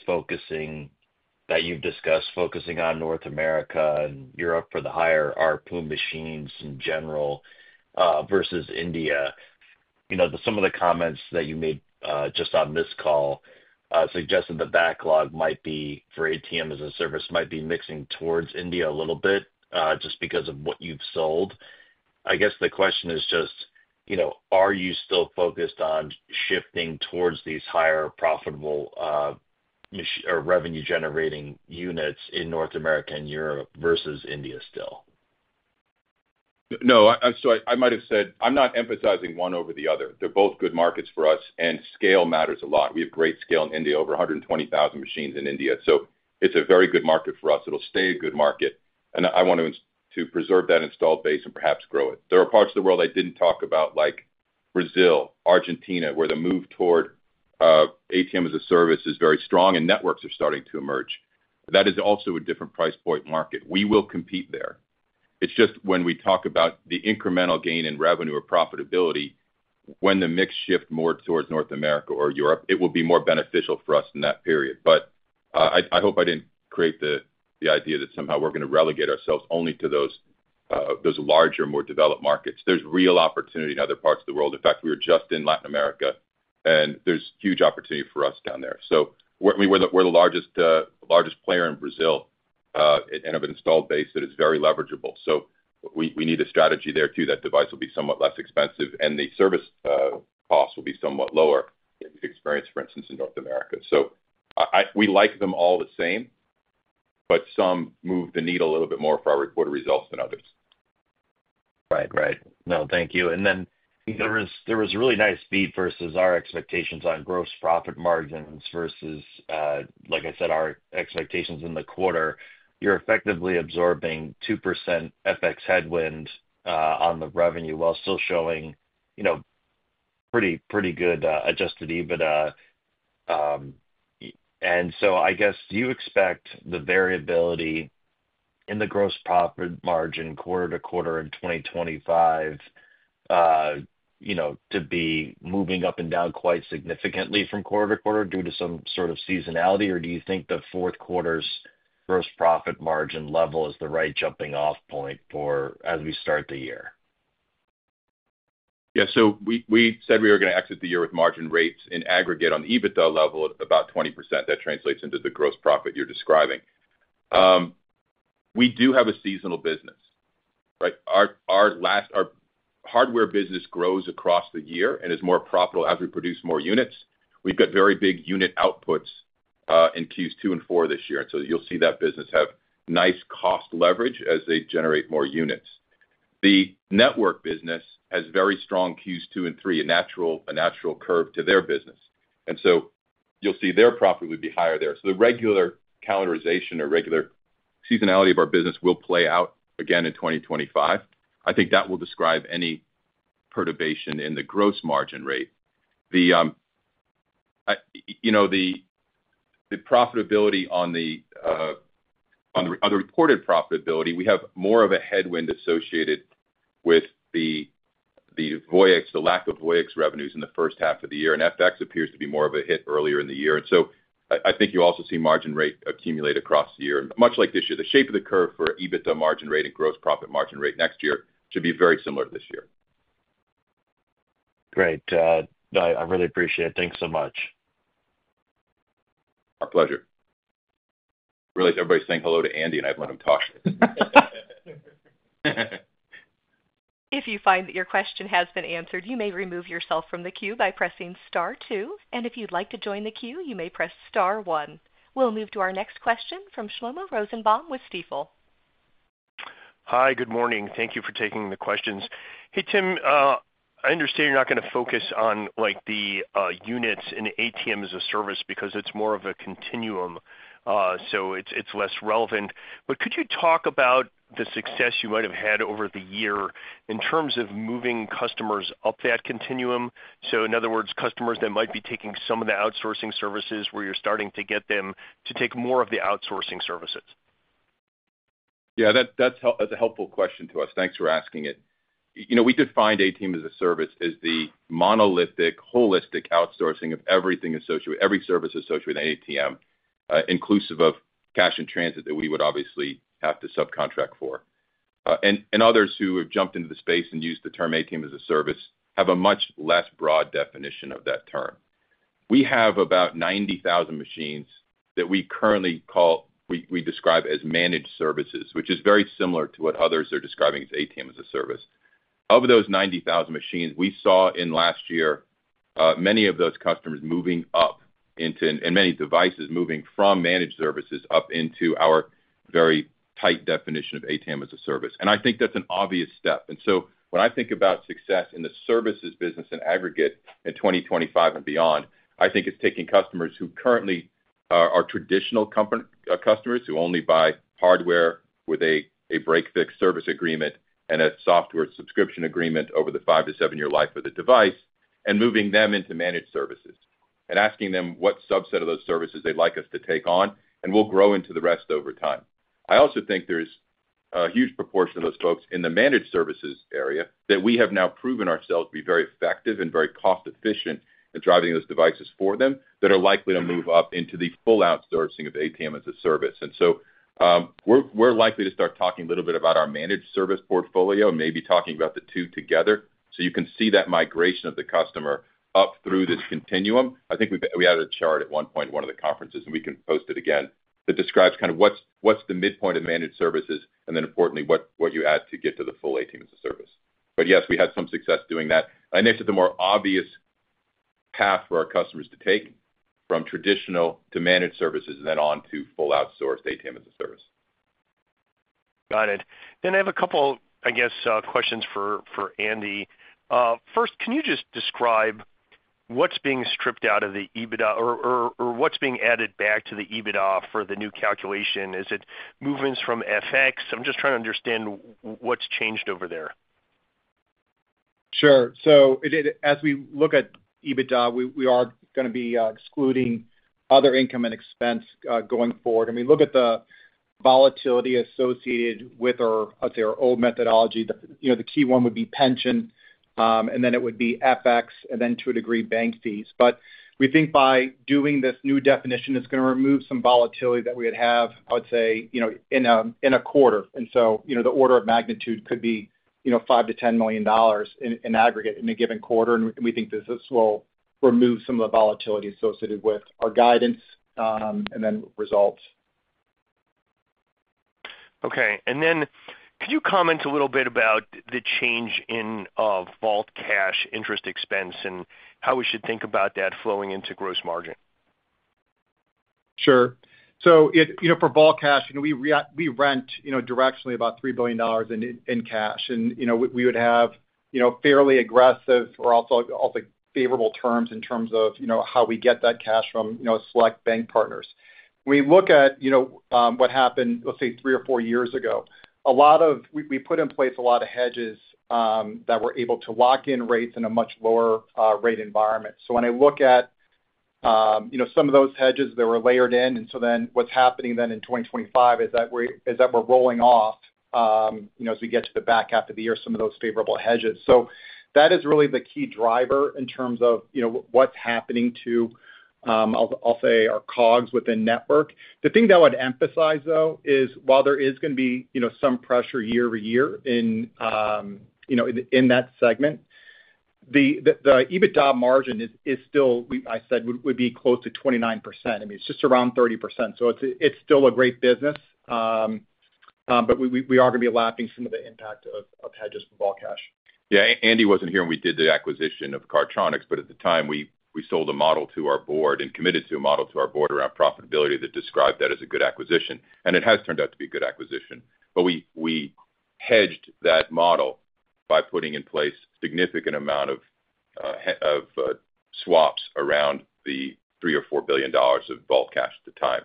you've discussed, focusing on North America and Europe for the higher ARPU machines in general versus India. Some of the comments that you made just on this call suggested the backlog for ATM as a service might be mixing towards India a little bit just because of what you've sold. I guess the question is just, are you still focused on shifting towards these higher profitable or revenue-generating units in North America and Europe versus India still? No, so I might have said I'm not emphasizing one over the other. They're both good markets for us, and scale matters a lot. We have great scale in India, over 120,000 machines in India, so it's a very good market for us. It'll stay a good market, and I want to preserve that installed base and perhaps grow it. There are parts of the world I didn't talk about, like Brazil, Argentina, where the move toward ATM as a service is very strong, and networks are starting to emerge. That is also a different price point market. We will compete there. It's just when we talk about the incremental gain in revenue or profitability, when the mix shift more towards North America or Europe, it will be more beneficial for us in that period. But I hope I didn't create the idea that somehow we're going to relegate ourselves only to those larger, more developed markets. There's real opportunity in other parts of the world. In fact, we were just in Latin America, and there's huge opportunity for us down there. So we're the largest player in Brazil and have an installed base that is very leverageable. So we need a strategy there too. That device will be somewhat less expensive, and the service costs will be somewhat lower than the experience, for instance, in North America. So we like them all the same, but some move the needle a little bit more for our reported results than others. Right, right. No, thank you. And then there was really nice beat versus our expectations on gross profit margins versus, like I said, our expectations in the quarter. You're effectively absorbing 2% FX headwind on the revenue while still showing pretty good Adjusted EBITDA. And so I guess, do you expect the variability in the gross profit margin quarter to quarter in 2025 to be moving up and down quite significantly from quarter to quarter due to some sort of seasonality, or do you think the fourth quarter's gross profit margin level is the right jumping-off point for as we start the year? Yeah. So we said we were going to exit the year with margin rates in aggregate on the EBITDA level at about 20%. That translates into the gross profit you're describing. We do have a seasonal business, right? Our hardware business grows across the year and is more profitable as we produce more units. We've got very big unit outputs in Qs two and four this year. And so you'll see that business have nice cost leverage as they generate more units. The network business has very strong Qs two and three, a natural curve to their business. And so you'll see their profit would be higher there. So the regular calendarization or regular seasonality of our business will play out again in 2025. I think that will describe any perturbation in the gross margin rate. The profitability on the reported profitability, we have more of a headwind associated with the lack of Voyix revenues in the first half of the year. And FX appears to be more of a hit earlier in the year. And so I think you also see margin rate accumulate across the year, much like this year. The shape of the curve for EBITDA margin rate and gross profit margin rate next year should be very similar to this year. Great. I really appreciate it. Thanks so much. Our pleasure. Really, everybody's saying hello to Andy, and I've let him talk. If you find that your question has been answered, you may remove yourself from the queue by pressing Star 2. And if you'd like to join the queue, you may press Star 1. We'll move to our next question from Shlomo Rosenbaum with Stifel. Hi, good morning. Thank you for taking the questions. Hey, Tim, I understand you're not going to focus on the units in ATM as a service because it's more of a continuum. So it's less relevant. But could you talk about the success you might have had over the year in terms of moving customers up that continuum? So in other words, customers that might be taking some of the outsourcing services where you're starting to get them to take more of the outsourcing services. Yeah, that's a helpful question to us. Thanks for asking it. We defined ATM as a service as the monolithic, holistic outsourcing of everything associated with every service associated with ATM, inclusive of cash and transit that we would obviously have to subcontract for. And others who have jumped into the space and used the term ATM as a Service have a much less broad definition of that term. We have about 90,000 machines that we currently call we describe as managed services, which is very similar to what others are describing as ATM as a Service. Of those 90,000 machines, we saw in last year many of those customers moving up into and many devices moving from managed services up into our very tight definition of ATM as a Service. And I think that's an obvious step. And so when I think about success in the services business in aggregate in 2025 and beyond, I think it's taking customers who currently are traditional customers who only buy hardware with a break-fix service agreement and a software subscription agreement over the five-to-seven-year life of the device and moving them into managed services and asking them what subset of those services they'd like us to take on, and we'll grow into the rest over time. I also think there's a huge proportion of those folks in the managed services area that we have now proven ourselves to be very effective and very cost-efficient in driving those devices for them that are likely to move up into the full outsourcing of ATM as a Service. And so we're likely to start talking a little bit about our managed service portfolio and maybe talking about the two together. So you can see that migration of the customer up through this continuum. I think we added a chart at one point, one of the conferences, and we can post it again that describes kind of what's the midpoint of managed services and then, importantly, what you add to get to the full ATM as a Service. But yes, we had some success doing that. I think it's the more obvious path for our customers to take from traditional to managed services and then on to full outsourced ATM as a Service. Got it. Then I have a couple, I guess, questions for Andy. First, can you just describe what's being stripped out of the EBITDA or what's being added back to the EBITDA for the new calculation? Is it movements from FX? I'm just trying to understand what's changed over there. Sure. As we look at EBITDA, we are going to be excluding other income and expense going forward. And we look at the volatility associated with our old methodology. The key one would be pension, and then it would be FX, and then to a degree, bank fees. But we think by doing this new definition, it's going to remove some volatility that we would have, I would say, in a quarter. And so the order of magnitude could be $5 million-$10 million in aggregate in a given quarter. And we think this will remove some of the volatility associated with our guidance and then results. Okay. And then could you comment a little bit about the change in vault cash interest expense and how we should think about that flowing into gross margin? Sure. So for vault cash, we rent directionally about $3 billion in cash. And we would have fairly aggressive or also favorable terms in terms of how we get that cash from select bank partners. When we look at what happened, let's say, three or four years ago, we put in place a lot of hedges that were able to lock in rates in a much lower rate environment. So when I look at some of those hedges, they were layered in. And so then what's happening then in 2025 is that we're rolling off as we get to the back half of the year, some of those favorable hedges. So that is really the key driver in terms of what's happening to, I'll say, our COGS within network. The thing that I would emphasize, though, is while there is going to be some pressure year over year in that segment, the EBITDA margin is still, I said, would be close to 29%. I mean, it's just around 30%. So it's still a great business, but we are going to be lapping some of the impact of hedges for vault cash. Yeah. Andy wasn't here when we did the acquisition of Cardtronics, but at the time, we sold a model to our board and committed to a model to our board around profitability that described that as a good acquisition. And it has turned out to be a good acquisition. But we hedged that model by putting in place a significant amount of swaps around the $3-$4 billion of vault cash at the time.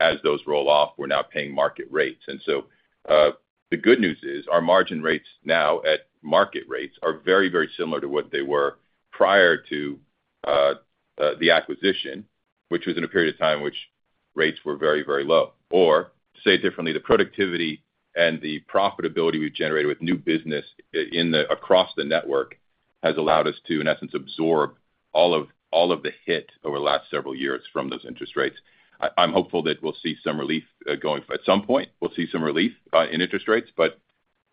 As those roll off, we're now paying market rates. And so the good news is our margin rates now at market rates are very, very similar to what they were prior to the acquisition, which was in a period of time in which rates were very, very low. Or to say it differently, the productivity and the profitability we've generated with new business across the network has allowed us to, in essence, absorb all of the hit over the last several years from those interest rates. I'm hopeful that we'll see some relief going at some point. We'll see some relief in interest rates. But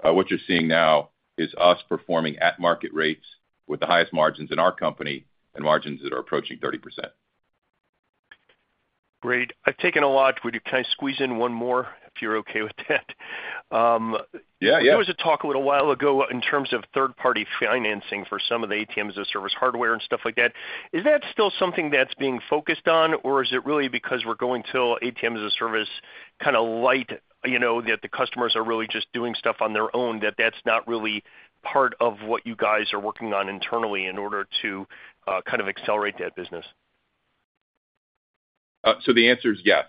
what you're seeing now is us performing at market rates with the highest margins in our company and margins that are approaching 30%. Great. I've taken a lot. Would you kind of squeeze in one more if you're okay with that? Yeah, yeah. There was a talk a little while ago in terms of third-party financing for some of the ATM as a Service hardware and stuff like that. Is that still something that's being focused on, or is it really because we're going to ATM as a Service kind of light, that the customers are really just doing stuff on their own, that that's not really part of what you guys are working on internally in order to kind of accelerate that business? So the answer is yes.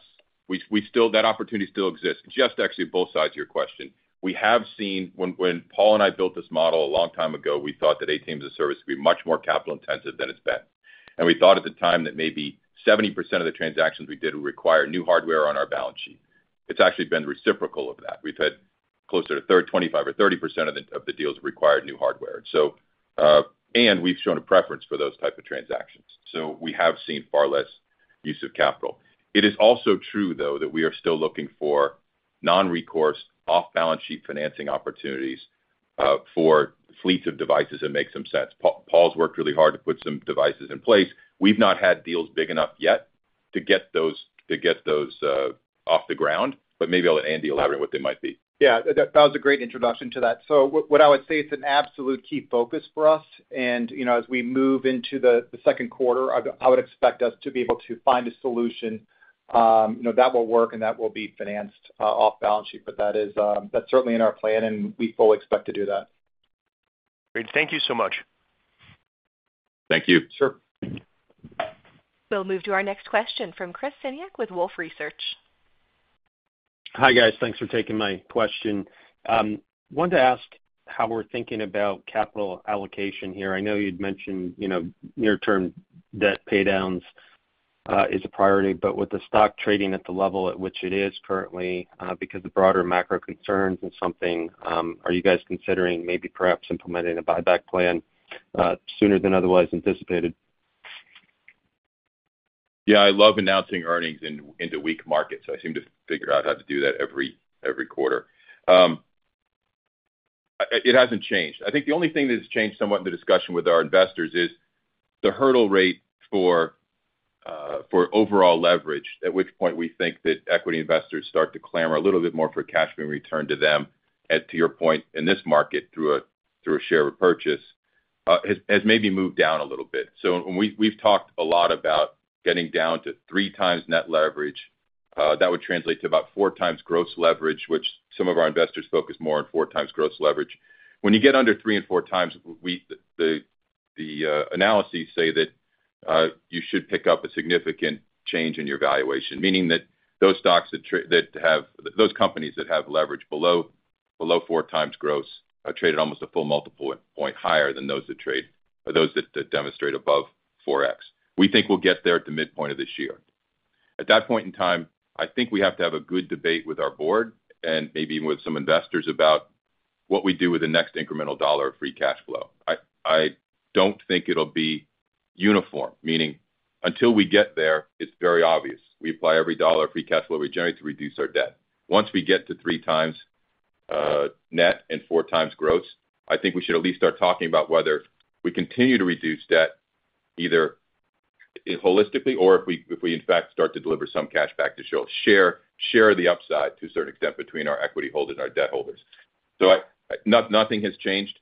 That opportunity still exists. Just actually both sides of your question. We have seen when Paul and I built this model a long time ago, we thought that ATM as a Service could be much more capital-intensive than it's been. And we thought at the time that maybe 70% of the transactions we did would require new hardware on our balance sheet. It's actually been reciprocal of that. We've had closer to 25%-30% of the deals require new hardware. And we've shown a preference for those types of transactions. So we have seen far less use of capital. It is also true, though, that we are still looking for non-recourse, off-balance sheet financing opportunities for fleets of devices that make some sense. Paul's worked really hard to put some devices in place. We've not had deals big enough yet to get those off the ground, but maybe I'll let Andy elaborate on what they might be. Yeah. That was a great introduction to that. So what I would say is an absolute key focus for us. And as we move into the second quarter, I would expect us to be able to find a solution that will work and that will be financed off-balance sheet. But that's certainly in our plan, and we fully expect to do that. Great. Thank you so much. Thank you. Sure. We'll move to our next question from Chris Senyek with Wolfe Research. Hi, guys. Thanks for taking my question. I wanted to ask how we're thinking about capital allocation here. I know you'd mentioned near-term debt paydowns is a priority, but with the stock trading at the level at which it is currently, because of broader macro concerns and something, are you guys considering maybe perhaps implementing a buyback plan sooner than otherwise anticipated? Yeah. I love announcing earnings into weak markets. I seem to figure out how to do that every quarter. It hasn't changed. I think the only thing that has changed somewhat in the discussion with our investors is the hurdle rate for overall leverage, at which point we think that equity investors start to clamor a little bit more for cash being returned to them, to your point, in this market through a share repurchase, has maybe moved down a little bit. So we've talked a lot about getting down to three times net leverage. That would translate to about four times gross leverage, which some of our investors focus more on four times gross leverage. When you get under three and four times, the analyses say that you should pick up a significant change in your valuation, meaning that those stocks that have those companies that have leverage below four times gross are traded almost a full multiple point higher than those that trade or those that demonstrate above 4X. We think we'll get there at the midpoint of this year. At that point in time, I think we have to have a good debate with our board and maybe even with some investors about what we do with the next incremental dollar of free cash flow. I don't think it'll be uniform, meaning until we get there, it's very obvious. We apply every dollar of free cash flow we generate to reduce our debt. Once we get to three times net and four times gross, I think we should at least start talking about whether we continue to reduce debt either holistically or if we, in fact, start to deliver some cash back to share the upside to a certain extent between our equity holders and our debt holders. So nothing has changed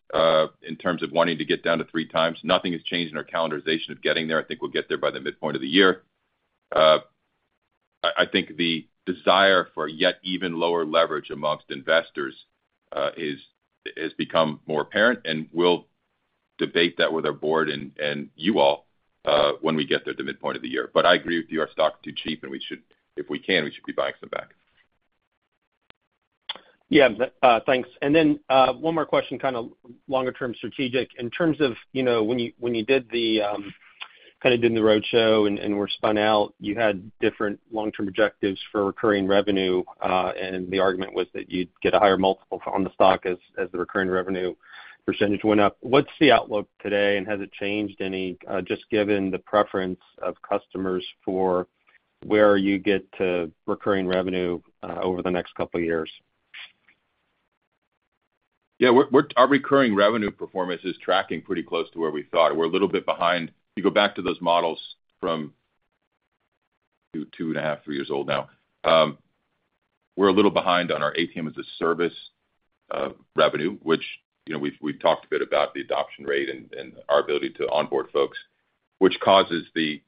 in terms of wanting to get down to three times. Nothing has changed in our calendarization of getting there. I think we'll get there by the midpoint of the year. I think the desire for yet even lower leverage among investors has become more apparent, and we'll debate that with our board and you all when we get there to the midpoint of the year. But I agree with you, our stock is too cheap, and if we can, we should be buying some back. Yeah. Thanks. And then one more question, kind of longer-term strategic. In terms of when you did the kind of roadshow and were spun out, you had different long-term objectives for recurring revenue, and the argument was that you'd get a higher multiple on the stock as the recurring revenue percentage went up. What's the outlook today, and has it changed any, just given the preference of customers for where you get to recurring revenue over the next couple of years? Yeah. Our recurring revenue performance is tracking pretty close to where we thought. We're a little bit behind. If you go back to those models from two and a half, three years old now, we're a little behind on our ATM as a Service revenue, which we've talked a bit about the adoption rate and our ability to onboard folks, which causes the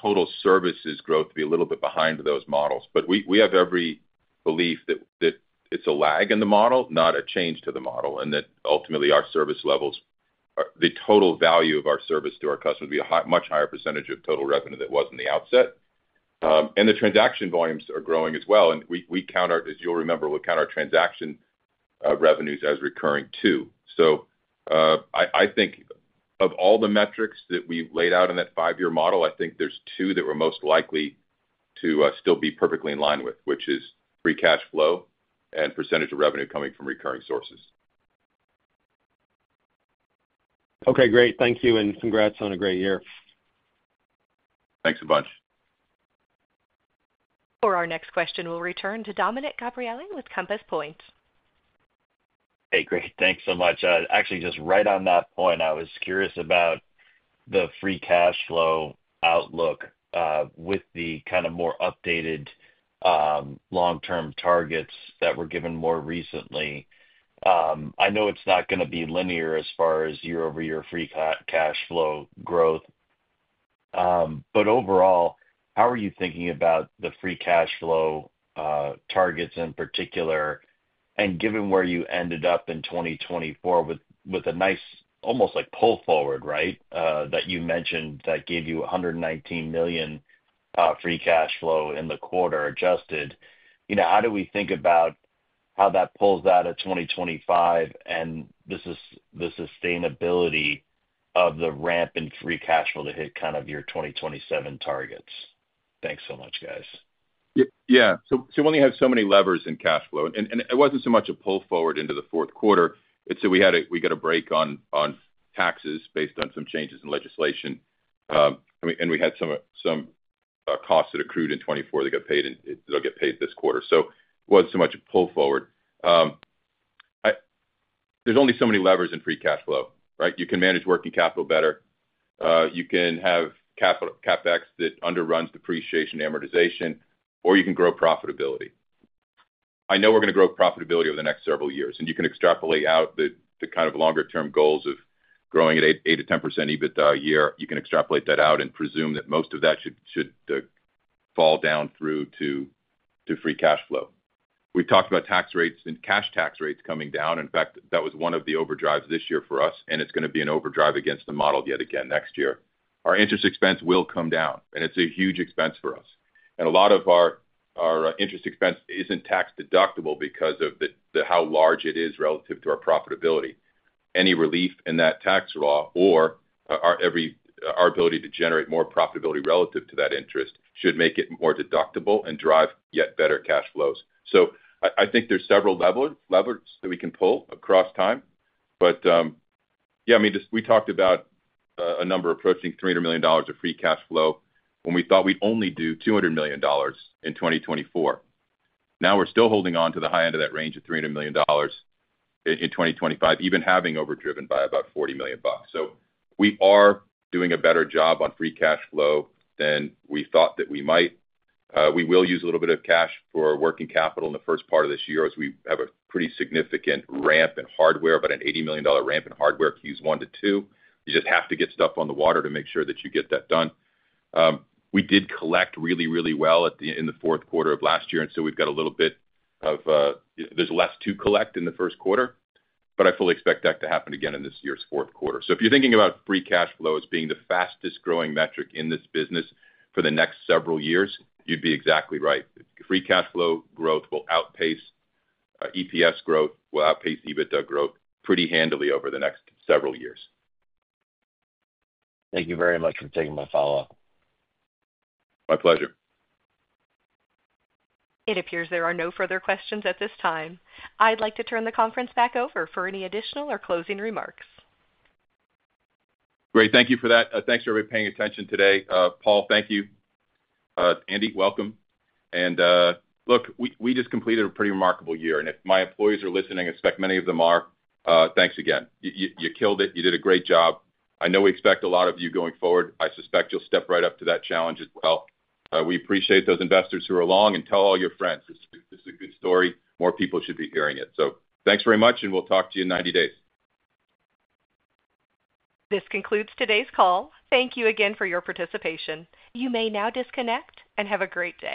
total services growth to be a little bit behind those models. But we have every belief that it's a lag in the model, not a change to the model, and that ultimately our service levels, the total value of our service to our customers would be a much higher percentage of total revenue than it was in the outset. And the transaction volumes are growing as well. And we count our, as you'll remember, we count our transaction revenues as recurring too. So I think of all the metrics that we laid out in that five-year model, I think there's two that we're most likely to still be perfectly in line with, which is free cash flow and percentage of revenue coming from recurring sources. Okay. Great. Thank you, and congrats on a great year. Thanks a bunch. For our next question, we'll return to Dominick Gabriele with Compass Point. Hey, great. Thanks so much. Actually, just right on that point, I was curious about the free cash flow outlook with the kind of more updated long-term targets that were given more recently. I know it's not going to be linear as far as year-over-year free cash flow growth. But overall, how are you thinking about the Free Cash Flow targets in particular? And given where you ended up in 2024 with a nice almost like pull forward, right, that you mentioned that gave you $119 million Free Cash Flow in the quarter, adjusted, how do we think about how that pulls out of 2025 and the sustainability of the ramp in Free Cash Flow to hit kind of your 2027 targets? Thanks so much, guys. Yeah. So when you have so many levers in cash flow, and it wasn't so much a pull forward into the fourth quarter. So we got a break on taxes based on some changes in legislation, and we had some costs that accrued in 2024 that got paid, and they'll get paid this quarter. So it wasn't so much a pull forward. There's only so many levers in Free Cash Flow, right? You can manage working capital better. You can have CapEx that underruns depreciation amortization, or you can grow profitability. I know we're going to grow profitability over the next several years. And you can extrapolate out the kind of longer-term goals of growing at 8%-10% EBITDA a year. You can extrapolate that out and presume that most of that should fall down through to free cash flow. We've talked about tax rates and cash tax rates coming down. In fact, that was one of the overdrives this year for us, and it's going to be an overdrive against the model yet again next year. Our interest expense will come down, and it's a huge expense for us. And a lot of our interest expense isn't tax deductible because of how large it is relative to our profitability. Any relief in that tax law or our ability to generate more profitability relative to that interest should make it more deductible and drive yet better cash flows. So I think there's several levers that we can pull across time. But yeah, I mean, we talked about a number approaching $300 million of Free Cash Flow when we thought we'd only do $200 million in 2024. Now we're still holding on to the high end of that range of $300 million in 2025, even having overdriven by about $40 million. So we are doing a better job on Free Cash Flow than we thought that we might. We will use a little bit of cash for working capital in the first part of this year as we have a pretty significant ramp in hardware, about an $80 million ramp in hardware, Q1 to Q2. You just have to get stuff on the water to make sure that you get that done. We did collect really, really well in the fourth quarter of last year, and so we've got a little bit. There's less to collect in the first quarter, but I fully expect that to happen again in this year's fourth quarter. So if you're thinking about free cash flow as being the fastest growing metric in this business for the next several years, you'd be exactly right. Free cash flow growth will outpace EPS growth, will outpace EBITDA growth pretty handily over the next several years. Thank you very much for taking my follow-up. My pleasure. It appears there are no further questions at this time. I'd like to turn the conference back over for any additional or closing remarks. Great. Thank you for that. Thanks for everybody paying attention today. Paul, thank you. Andy, welcome. And look, we just completed a pretty remarkable year. And if my employees are listening, I expect many of them are. Thanks again. You killed it. You did a great job. I know we expect a lot of you going forward. I suspect you'll step right up to that challenge as well. We appreciate those investors who are along and tell all your friends. This is a good story. More people should be hearing it. So thanks very much, and we'll talk to you in 90 days. This concludes today's call. Thank you again for your participation. You may now disconnect and have a great day.